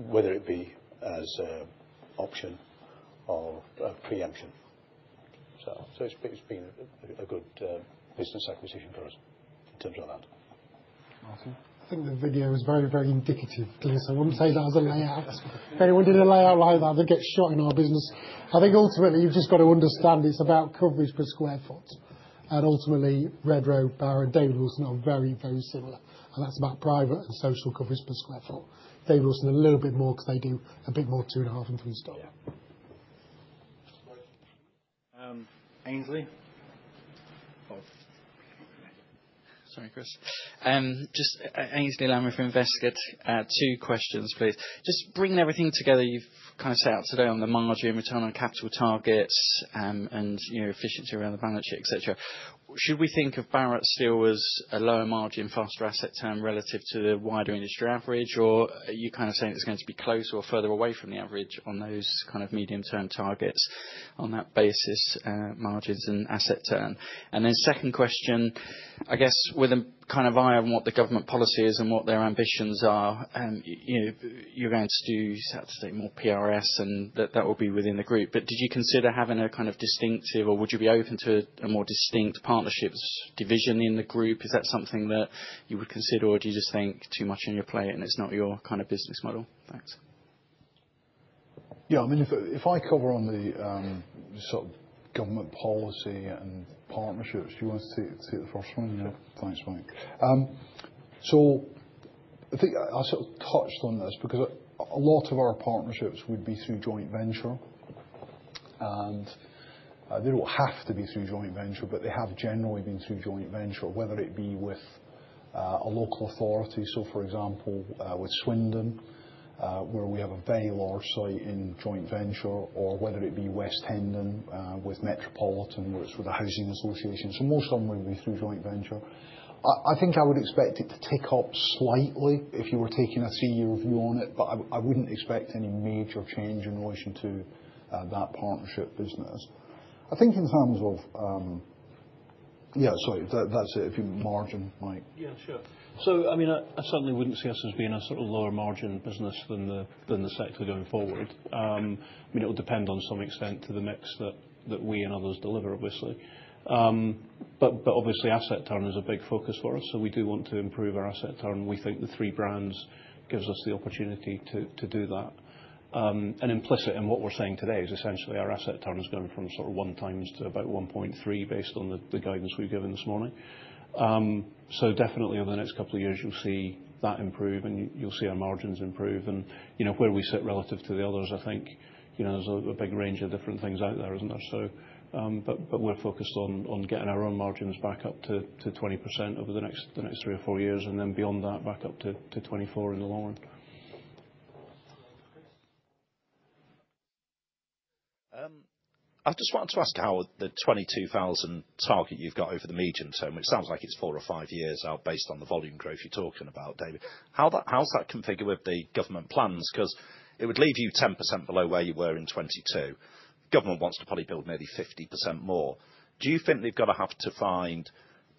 whether it be as an option or preemption. So it's been a good business acquisition for us in terms of that. I think the video is very, very indicative, Glynis. I wouldn't say that as a layout. If anyone did a layout like that, they'd get shot in our business. I think ultimately, you've just got to understand it's about coverage per square foot. Ultimately, Redrow, Barratt, and David Wilson are very, very similar. And that's about private and social coverage per square foot. David Wilson a little bit more because they do a bit more two and a half and three stock. Aynsley. Sorry, Chris. Just Aynsley Lammin from Investec. Two questions, please. Just bringing everything together you've kind of set out today on the margin, return on capital targets, and efficiency around the balance sheet, etc. Should we think of Barratt still as a lower margin, faster asset turn relative to the wider industry average, or are you kind of saying it's going to be closer or further away from the average on those kind of medium-term targets on that basis, margins and asset turn? And then second question, I guess with a kind of eye on what the government policy is and what their ambitions are, you're going to do, I'd say, more PRS, and that will be within the group. But did you consider having a kind of distinctive, or would you be open to a more distinct partnership division in the group? Is that something that you would consider, or do you just think too much on your plate and it's not your kind of business model? Thanks. Yeah. I mean, if I cover on the sort of government policy and partnerships, do you want us to take the first one? Yeah. Thanks, Mike. So I think I sort of touched on this because a lot of our partnerships would be through joint venture. And they don't have to be through joint venture, but they have generally been through joint venture, whether it be with a local authority. So for example, with Swindon, where we have a very large site in joint venture, or whether it be West Hendon with Metropolitan where it's with a housing association. So most of them would be through joint venture. I think I would expect it to tick up slightly if you were taking a three-year view on it, but I wouldn't expect any major change in relation to that partnership business. I think in terms of yeah, sorry, that's it. Margin, Mike. Yeah, sure. So I mean, I certainly wouldn't see us as being a sort of lower margin business than the sector going forward. I mean, it would depend on some extent to the mix that we and others deliver, obviously. But obviously, asset turn is a big focus for us, so we do want to improve our asset turn. We think the three brands gives us the opportunity to do that. And implicit in what we're saying today is essentially our asset turn has gone from sort of one times to about 1.3 based on the guidance we've given this morning. So definitely over the next couple of years, you'll see that improve, and you'll see our margins improve. And where we sit relative to the others, I think there's a big range of different things out there, isn't there? But we're focused on getting our own margins back up to 20% over the next three or four years, and then beyond that, back up to 24% in the long run. I just wanted to ask how the 22,000 target you've got over the medium term, which sounds like it's four or five years out based on the volume growth you're talking about, David, how's that configured with the government plans? Because it would leave you 10% below where you were in 22,000. The government wants to probably build maybe 50% more. Do you think they've got to have to find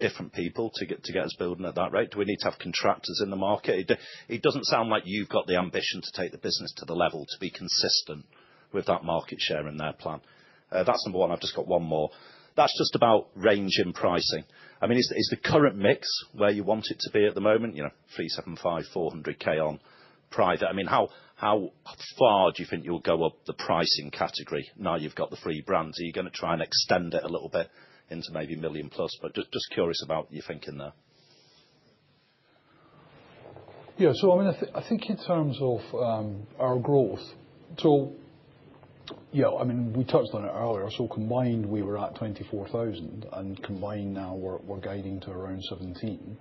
different people to get us building at that rate? Do we need to have contractors in the market? It doesn't sound like you've got the ambition to take the business to the level to be consistent with that market share in their plan. That's number one. I've just got one more. That's just about range in pricing. I mean, is the current mix where you want it to be at the moment, 375,000-400,000 on private? I mean, how far do you think you'll go up the pricing category now you've got the three brands? Are you going to try and extend it a little bit into maybe million plus? But just curious about your thinking there. Yeah. So I mean, I think in terms of our growth, so yeah, I mean, we touched on it earlier. So combined, we were at 24,000, and combined now, we're guiding to around 17.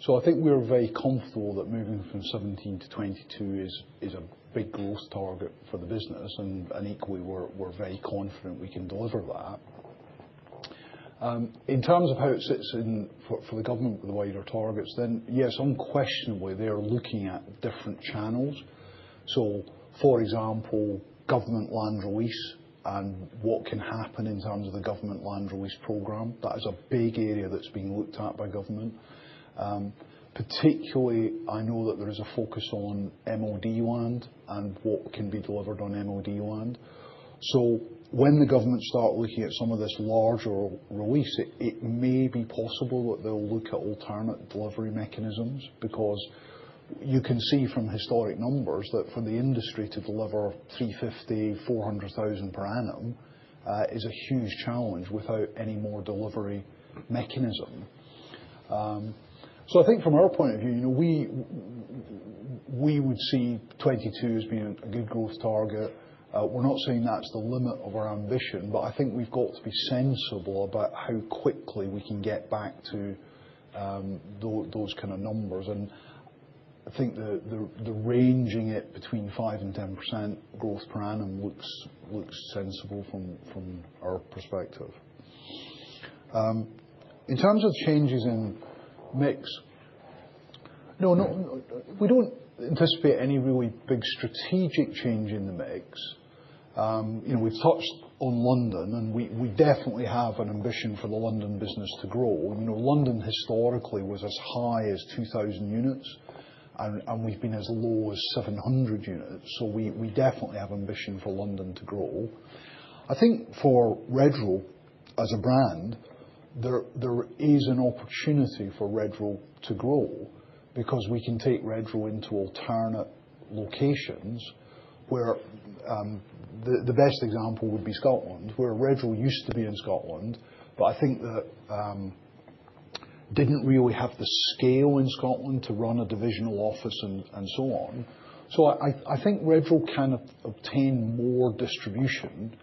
So I think we're very comfortable that moving from 17 to 22 is a big growth target for the business, and equally, we're very confident we can deliver that. In terms of how it sits for the government with the wider targets, then yes, unquestionably, they are looking at different channels. So for example, government land release and what can happen in terms of the government land release program. That is a big area that's being looked at by government. Particularly, I know that there is a focus on MOD land and what can be delivered on MOD land. So when the government starts looking at some of this larger release, it may be possible that they'll look at alternative delivery mechanisms because you can see from historic numbers that for the industry to deliver 350,000-400,000 per annum is a huge challenge without any more delivery mechanism. So I think from our point of view, we would see 22 as being a good growth target. We're not saying that's the limit of our ambition, but I think we've got to be sensible about how quickly we can get back to those kind of numbers, and I think ranging it between 5% and 10% growth per annum looks sensible from our perspective. In terms of changes in mix, no, we don't anticipate any really big strategic change in the mix. We've touched on London, and we definitely have an ambition for the London business to grow. London historically was as high as 2,000 units, and we've been as low as 700 units. So we definitely have ambition for London to grow. I think for Redrow as a brand, there is an opportunity for Redrow to grow because we can take Redrow into alternate locations where the best example would be Scotland, where Redrow used to be in Scotland, but I think that didn't really have the scale in Scotland to run a divisional office and so on. So I think Redrow can obtain more distribution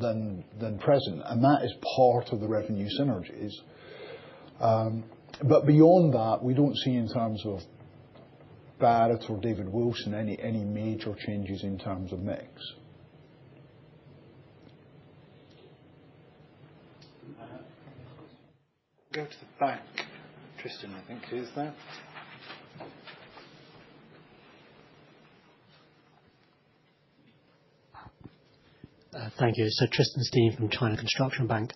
than present, and that is part of the revenue synergies. But beyond that, we don't see in terms of Barratt or David Wilson any major changes in terms of mix. We'll go to the back, Tristan, I think, who's there? Thank you. So Tristan Steen from China Construction Bank.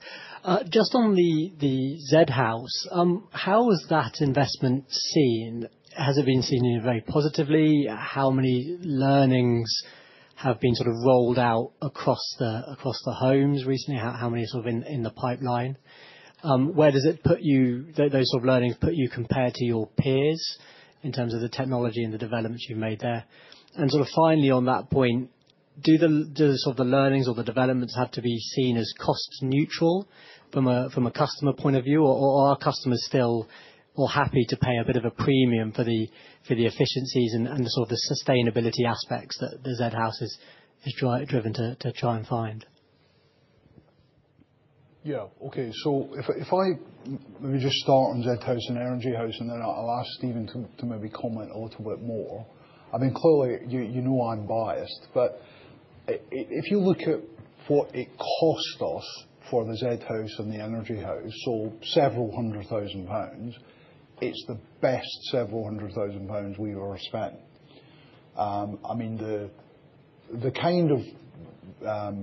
Just on the Zed House, how has that investment seen? Has it been seen very positively? How many learnings have been sort of rolled out across the homes recently? How many are sort of in the pipeline? Where does it put you? Those sort of learnings put you compared to your peers in terms of the technology and the developments you've made there? And sort of finally on that point, do sort of the learnings or the developments have to be seen as cost-neutral from a customer point of view, or are customers still more happy to pay a bit of a premium for the efficiencies and sort of the sustainability aspects that the Zed House is driven to try and find? Yeah. Okay. So let me just start on Zed House and Energy House, and then I'll ask Steven to maybe comment a little bit more. I mean, clearly, you know I'm biased, but if you look at what it cost us for the Zed House and the Energy House, so several hundred thousand pounds, it's the best several hundred thousand pounds we've ever spent. I mean, the kind of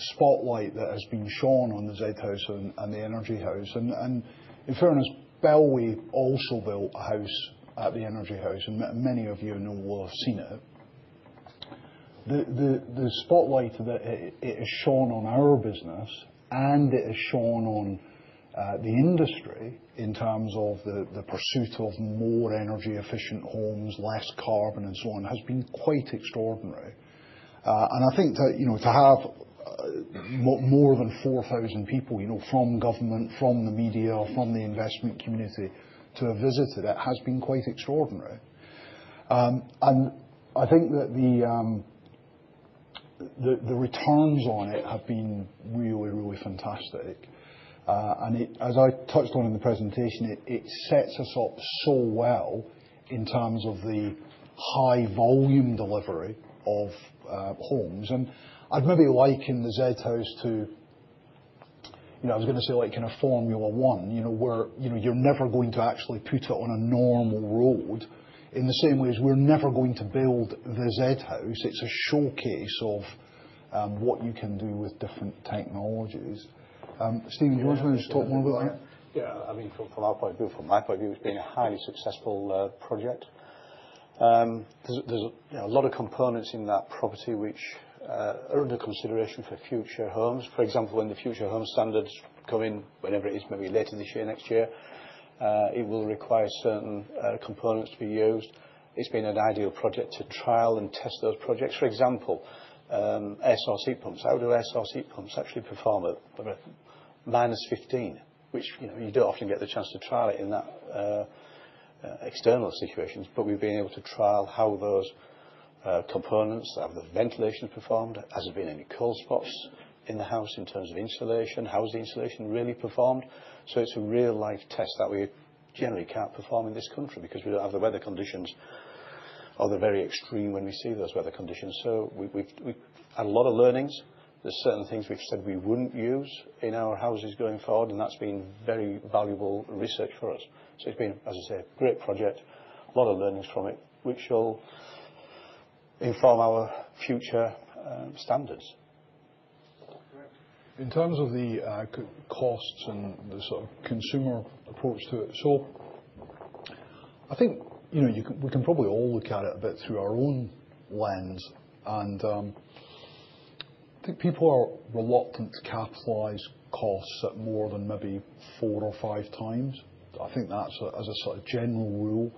spotlight that has been shown on the Zed House and the Energy House, and in fairness, Bellway also built a house at the Energy House, and many of you know will have seen it. The spotlight that it has shown on our business and it has shown on the industry in terms of the pursuit of more energy-efficient homes, less carbon, and so on has been quite extraordinary, and I think that to have more than 4,000 people from government, from the media, from the investment community to have visited it has been quite extraordinary, and I think that the returns on it have been really, really fantastic, and as I touched on in the presentation, it sets us up so well in terms of the high volume delivery of homes. I'd maybe liken the Zed House to, I was going to say, like in a Formula 1, where you're never going to actually put it on a normal road in the same way as we're never going to build the Zed House. It's a showcase of what you can do with different technologies. Steven, do you want to talk more about that? Yeah. I mean, from our point of view, from my point of view, it's been a highly successful project. There's a lot of components in that property which are under consideration for future homes. For example, when the Future Homes Standard come in, whenever it is, maybe later this year, next year, it will require certain components to be used. It's been an ideal project to trial and test those projects. For example, air source heat pumps. How do air source heat pumps actually perform at -15, which you don't often get the chance to trial it in that external situation? But we've been able to trial how those components have the ventilation performed. Has there been any cold spots in the house in terms of insulation? How has the insulation really performed? So it's a real-life test that we generally can't perform in this country because we don't have the weather conditions or the very extreme when we see those weather conditions. So we've had a lot of learnings. There's certain things we've said we wouldn't use in our houses going forward, and that's been very valuable research for us. So it's been, as I say, a great project, a lot of learnings from it, which will inform our future standards. In terms of the costs and the sort of consumer approach to it, so I think we can probably all look at it a bit through our own lens. And I think people are reluctant to capitalize costs at more than maybe four or five times. I think that's as a sort of general rule.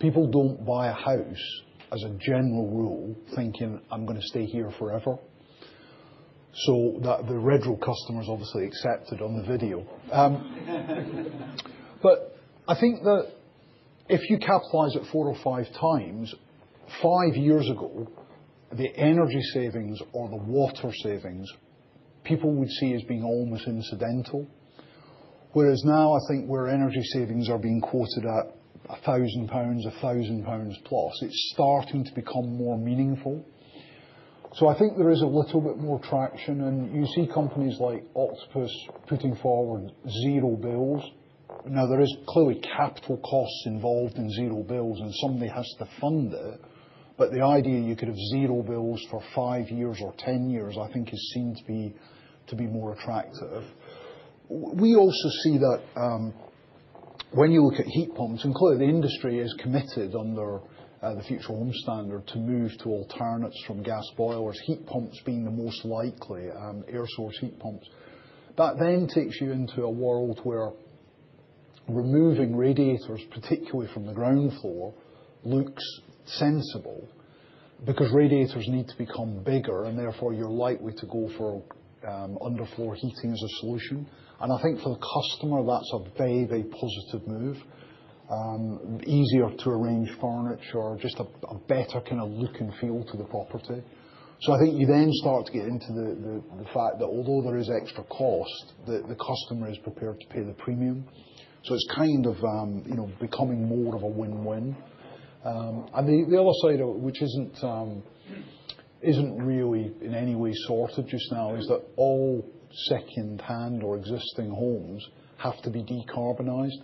People don't buy a house as a general rule thinking, "I'm going to stay here forever." So the Redrow customers obviously accepted on the video. But I think that if you capitalize at four or five times, five years ago, the energy savings or the water savings people would see as being almost incidental. Whereas now, I think where energy savings are being quoted at 1,000 pounds, 1,000 pounds plus, it's starting to become more meaningful. So I think there is a little bit more traction. You see companies like Octopus putting forward Zero Bills. Now, there is clearly capital costs involved in Zero Bills, and somebody has to fund it. But the idea you could have zero bills for five years or 10 years, I think, has seemed to be more attractive. We also see that when you look at heat pumps, and clearly the industry is committed under the Future Homes Standard to move to alternatives from gas boilers, heat pumps being the most likely, air source heat pumps. That then takes you into a world where removing radiators, particularly from the ground floor, looks sensible because radiators need to become bigger, and therefore you're likely to go for underfloor heating as a solution. And I think for the customer, that's a very, very positive move. Easier to arrange furniture, just a better kind of look and feel to the property. So I think you then start to get into the fact that although there is extra cost, the customer is prepared to pay the premium. So it's kind of becoming more of a win-win. And the other side, which isn't really in any way sorted just now, is that all secondhand or existing homes have to be decarbonized.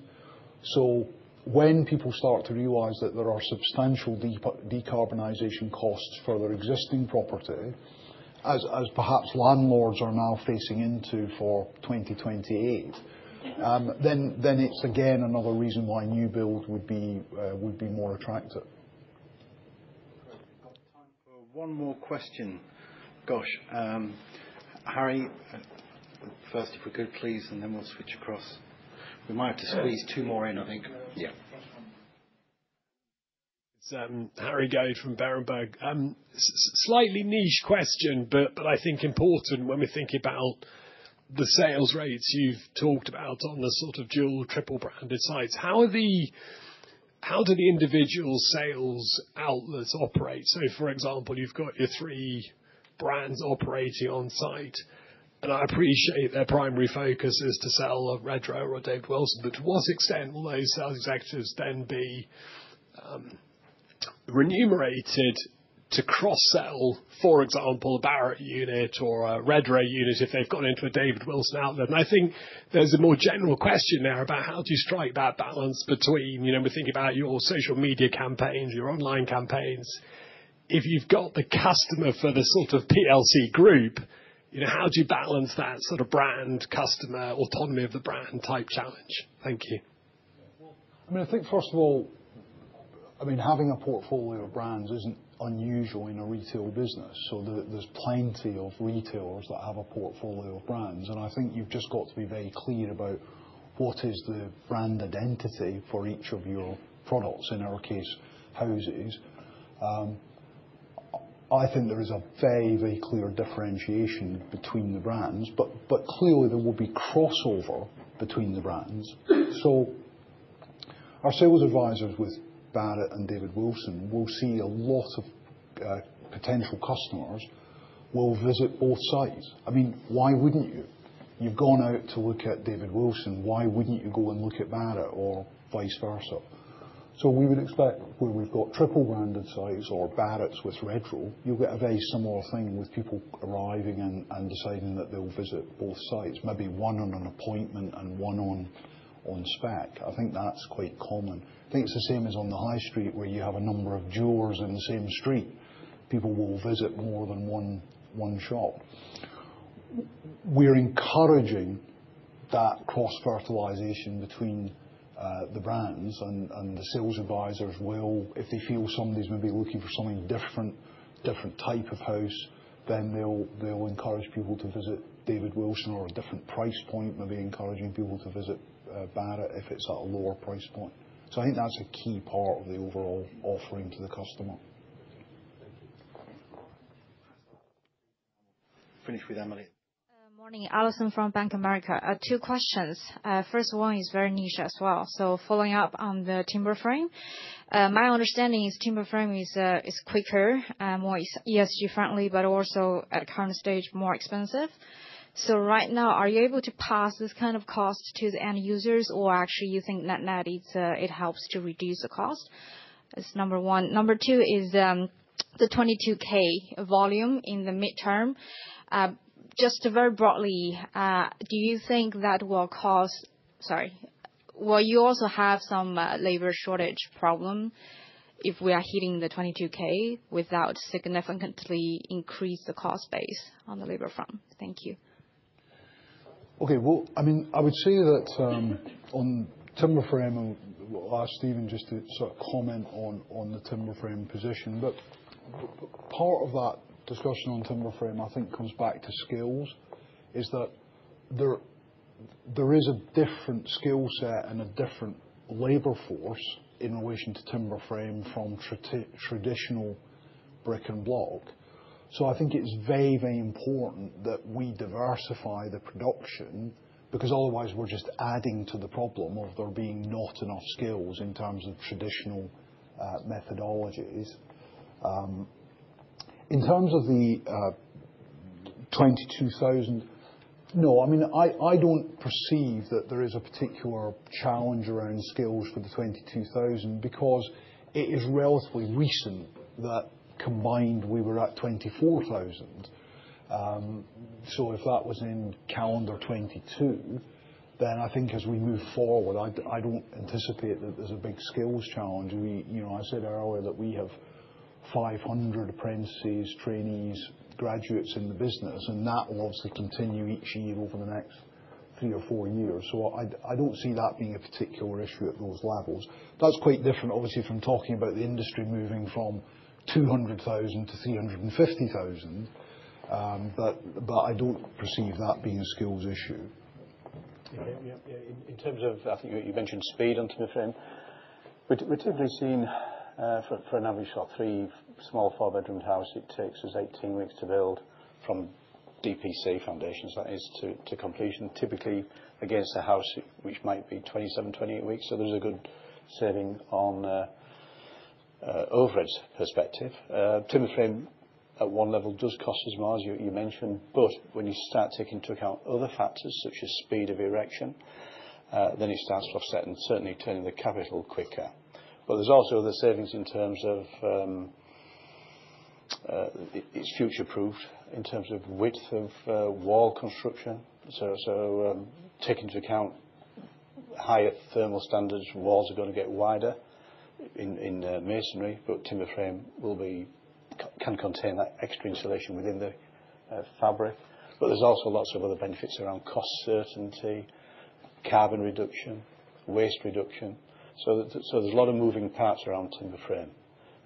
So when people start to realize that there are substantial decarbonization costs for their existing property, as perhaps landlords are now facing into for 2028, then it's again another reason why new build would be more attractive. One more question. Gosh. Harry, first, if we could, please, and then we'll switch across. We might have to squeeze two more in, I think. Yeah. Harry Goad from Berenberg. Slightly niche question, but I think important when we think about the sales rates you've talked about on the sort of dual triple-branded sites. How do the individual sales outlets operate? So for example, you've got your three brands operating on site, and I appreciate their primary focus is to sell a Redrow or a David Wilson, but to what extent will those sales executives then be remunerated to cross-sell, for example, a Barratt unit or a Redrow unit if they've gone into a David Wilson outlet? And I think there's a more general question there about how do you strike that balance between we're thinking about your social media campaigns, your online campaigns. If you've got the customer for the sort of PLC group, how do you balance that sort of brand customer autonomy of the brand type challenge? Thank you. I mean, I think first of all, I mean, having a portfolio of brands isn't unusual in a retail business. So there's plenty of retailers that have a portfolio of brands. I think you've just got to be very clear about what is the brand identity for each of your products, in our case, houses. I think there is a very, very clear differentiation between the brands, but clearly there will be crossover between the brands. Our sales advisors with Barratt and David Wilson will see a lot of potential customers will visit both sites. I mean, why wouldn't you? You've gone out to look at David Wilson. Why wouldn't you go and look at Barratt or vice versa? We would expect where we've got triple-branded sites or Barratt's with Redrow, you'll get a very similar thing with people arriving and deciding that they'll visit both sites, maybe one on an appointment and one on spec. I think that's quite common. I think it's the same as on the high street where you have a number of jewelers in the same street. People will visit more than one shop. We're encouraging that cross-fertilization between the brands, and the sales advisors will, if they feel somebody's maybe looking for something different, different type of house, then they'll encourage people to visit David Wilson or a different price point, maybe encouraging people to visit Barratt if it's at a lower price point. So I think that's a key part of the overall offering to the customer. Finish with Emily. Morning. Allison from Bank of America. Two questions. First one is very niche as well. So following up on the timber frame, my understanding is timber frame is quicker, more ESG-friendly, but also at current stage, more expensive. So right now, are you able to pass this kind of cost to the end users, or actually you think that it helps to reduce the cost? That's number one. Number two is the 22,000 volume in the midterm. Just very broadly, do you think that will cost? Sorry. Will you also have some labor shortage problem if we are hitting the 22,000 without significantly increasing the cost base on the labor front? Thank you. Okay. Well, I mean, I would say that on timber frame, I'll ask Steven just to sort of comment on the timber frame position. But part of that discussion on timber frame, I think, comes back to skills, is that there is a different skill set and a different labor force in relation to timber frame from traditional brick and block. So I think it's very, very important that we diversify the production because otherwise we're just adding to the problem of there being not enough skills in terms of traditional methodologies. In terms of the 22,000, no. I mean, I don't perceive that there is a particular challenge around skills for the 22,000 because it is relatively recent that combined we were at 24,000. So if that was in calendar 22,000 then I think as we move forward, I don't anticipate that there's a big skills challenge. I said earlier that we have 500 apprentices, trainees, graduates in the business, and that will obviously continue each year over the next three or four years. So I don't see that being a particular issue at those levels. That's quite different, obviously, from talking about the industry moving from 200,000 to 350,000, but I don't perceive that being a skills issue. In terms of, I think you mentioned speed on timber frame. We've typically seen for an average of three small four-bedroomed houses, it takes us 18 weeks to build from DPC foundations, that is, to completion. Typically, against a house which might be 27-28 weeks, so there's a good saving on overhead perspective. Timber frame, at one level, does cost as much as you mentioned, but when you start taking into account other factors such as speed of erection, then it starts to offset and certainly turn the capital quicker. But there's also other savings in terms of it's future-proofed in terms of width of wall construction. So take into account higher thermal standards. Walls are going to get wider in masonry, but timber frame can contain that extra insulation within the fabric. But there's also lots of other benefits around cost certainty, carbon reduction, waste reduction. There's a lot of moving parts around timber frame.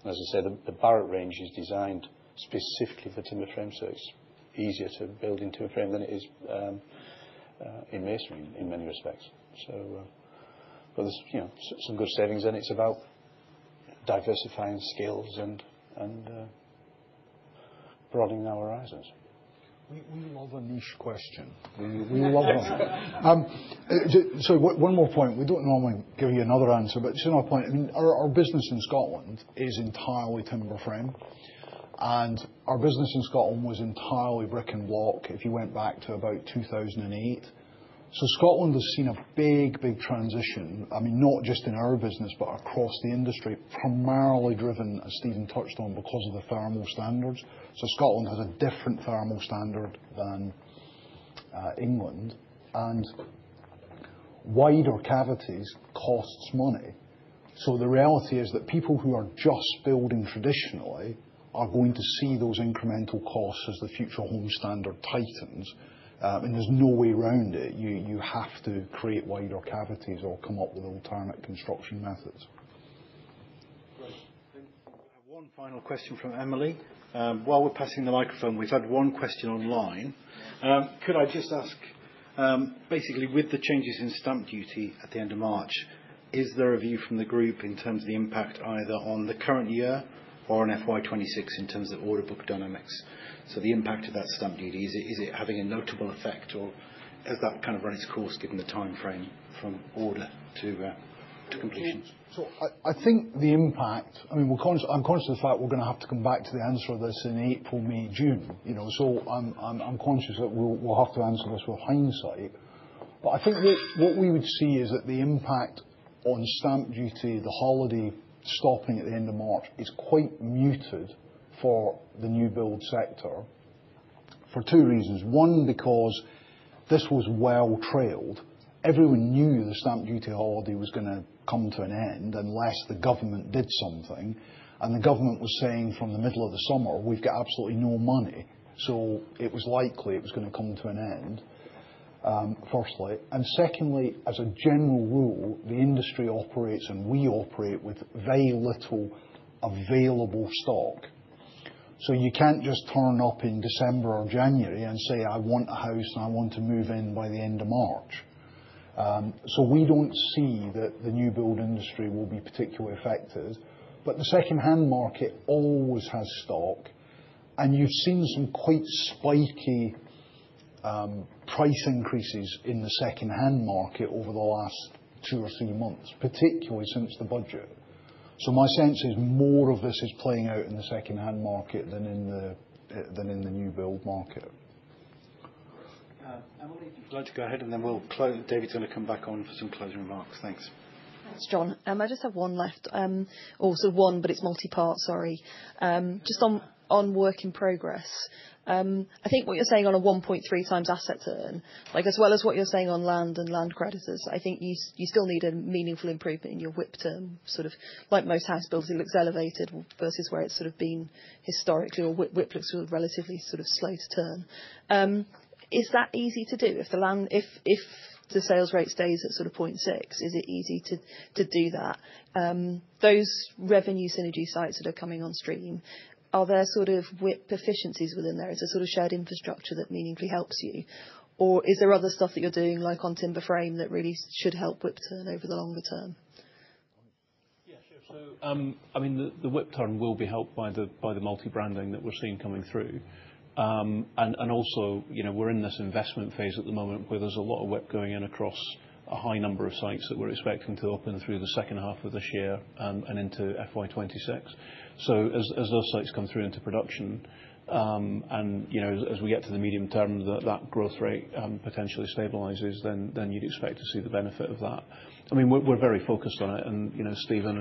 As I said, the Barratt range is designed specifically for timber frame, so it's easier to build in timber frame than it is in masonry in many respects. There's some good savings, and it's about diversifying skills and broadening our horizons. We love a niche question. We love one. Sorry, one more point. We don't normally give you another answer, but just another point. Our business in Scotland is entirely timber frame, and our business in Scotland was entirely brick and block if you went back to about 2008. Scotland has seen a big, big transition, I mean, not just in our business but across the industry, primarily driven, as Steven touched on, because of the thermal standards. Scotland has a different thermal standard than England, and wider cavities costs money. So the reality is that people who are just building traditionally are going to see those incremental costs as the Future Homes Standard tightens, and there's no way around it. You have to create wider cavities or come up with alternate construction methods. One final question from Emily. While we're passing the microphone, we've had one question online. Could I just ask, basically, with the changes in stamp duty at the end of March, is there a view from the group in terms of the impact either on the current year or on FY 2026 in terms of order book dynamics? So the impact of that stamp duty, is it having a notable effect, or has that kind of run its course given the timeframe from order to completion? So I think the impact I mean, I'm conscious of the fact we're going to have to come back to the answer of this in April, May, June. So I'm conscious that we'll have to answer this with hindsight. But I think what we would see is that the impact on stamp duty, the holiday stopping at the end of March, is quite muted for the new build sector for two reasons. One, because this was well-trailed. Everyone knew the stamp duty holiday was going to come to an end unless the government did something. And the government was saying from the middle of the summer, "We've got absolutely no money." So it was likely it was going to come to an end, firstly. And secondly, as a general rule, the industry operates, and we operate, with very little available stock. So you can't just turn up in December or January and say, "I want a house, and I want to move in by the end of March." So we don't see that the new build industry will be particularly affected. But the secondhand market always has stock, and you've seen some quite spiky price increases in the secondhand market over the last two or three months, particularly since the budget. So my sense is more of this is playing out in the secondhand market than in the new build market. Emily, if you'd like to go ahead, and then David's going to come back on for some closing remarks. Thanks. Thanks, John. I just have one left. Oh, so one, but it's multi-part. Sorry. Just on work in progress, I think what you're saying on a 1.3x asset turn, as well as what you're saying on land and land creditors, I think you still need a meaningful improvement in your WIP term. Sort of like most house builds, it looks elevated versus where it's sort of been historically, or WIP looks relatively sort of slow to turn. Is that easy to do? If the sales rate stays at sort of 0.6, is it easy to do that? Those revenue synergy sites that are coming on stream, are there sort of WIP efficiencies within there? Is there sort of shared infrastructure that meaningfully helps you? Or is there other stuff that you're doing like on timber frame that really should help WIP turn over the longer term? Yeah, sure. So I mean, the WIP turn will be helped by the multi-branding that we're seeing coming through. And also, we're in this investment phase at the moment where there's a lot of WIP going in across a high number of sites that we're expecting to open through the second half of this year and into FY 2026. So as those sites come through into production, and as we get to the medium term, that growth rate potentially stabilizes, then you'd expect to see the benefit of that. I mean, we're very focused on it, and Steven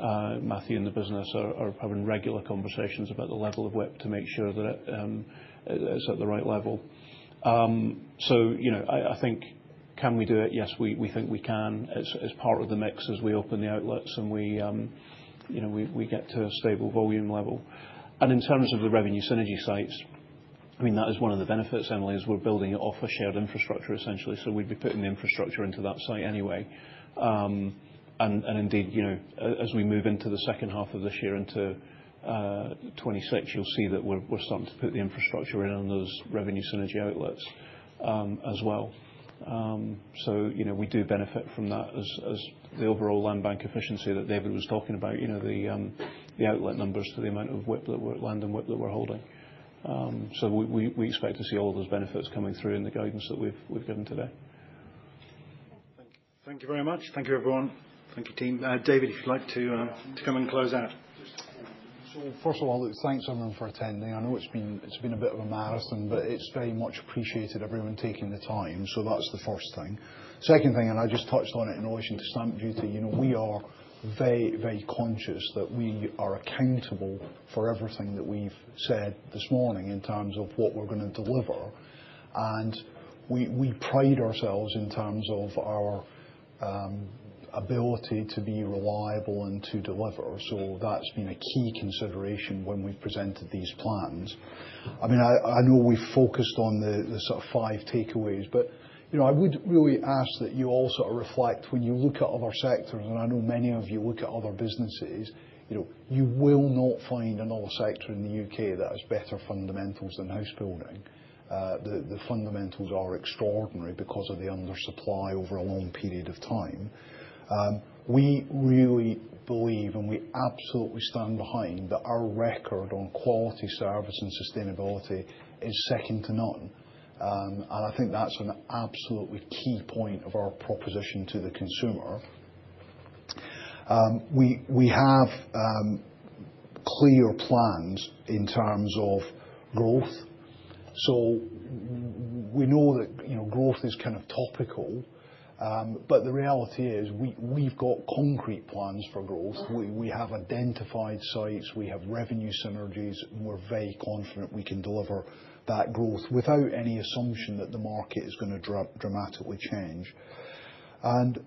and Matthew in the business are having regular conversations about the level of WIP to make sure that it's at the right level. So I think, can we do it? Yes, we think we can. It's part of the mix as we open the outlets and we get to a stable volume level. In terms of the revenue synergy sites, I mean, that is one of the benefits, Emily, is we're building it off a shared infrastructure, essentially. We'd be putting the infrastructure into that site anyway. Indeed, as we move into the second half of this year, into 2026, you'll see that we're starting to put the infrastructure in on those revenue synergy outlets as well. We do benefit from that as the overall land bank efficiency that David was talking about, the outlet numbers to the amount of land and WIP that we're holding. We expect to see all of those benefits coming through in the guidance that we've given today. Thank you very much. Thank you, everyone. Thank you, team. David, if you'd like to come and close out. First of all, thanks, everyone, for attending. I know it's been a bit of a marathon, but it's very much appreciated everyone taking the time. So that's the first thing. Second thing, and I just touched on it in relation to stamp duty, we are very, very conscious that we are accountable for everything that we've said this morning in terms of what we're going to deliver. And we pride ourselves in terms of our ability to be reliable and to deliver. So that's been a key consideration when we've presented these plans. I mean, I know we've focused on the sort of five takeaways, but I would really ask that you all sort of reflect when you look at other sectors, and I know many of you look at other businesses. You will not find another sector in the U.K. that has better fundamentals than housebuilding. The fundamentals are extraordinary because of the undersupply over a long period of time. We really believe, and we absolutely stand behind that, our record on quality service and sustainability is second to none, and I think that's an absolutely key point of our proposition to the consumer. We have clear plans in terms of growth, so we know that growth is kind of topical, but the reality is we've got concrete plans for growth. We have identified sites. We have revenue synergies, and we're very confident we can deliver that growth without any assumption that the market is going to dramatically change, and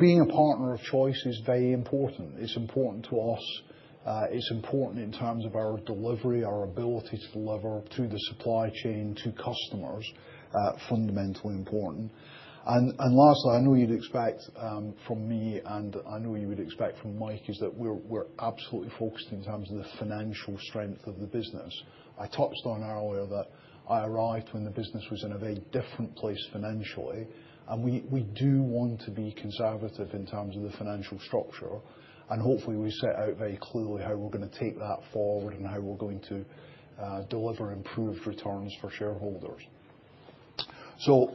being a partner of choice is very important. It's important to us. It's important in terms of our delivery, our ability to deliver to the supply chain, to customers, fundamentally important. And lastly, I know you'd expect from me, and I know you would expect from Mike, is that we're absolutely focused in terms of the financial strength of the business. I touched on earlier that I arrived when the business was in a very different place financially, and we do want to be conservative in terms of the financial structure. And hopefully, we set out very clearly how we're going to take that forward and how we're going to deliver improved returns for shareholders. So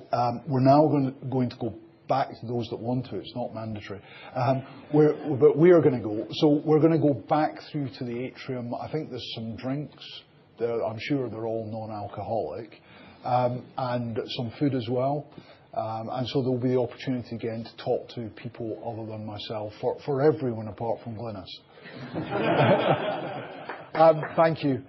we're now going to go back to those that want to. It's not mandatory, but we are going to go. So we're going to go back through to the atrium. I think there's some drinks. I'm sure they're all non-alcoholic and some food as well. And so there'll be the opportunity again to talk to people other than myself for everyone apart from Glynis. Thank you.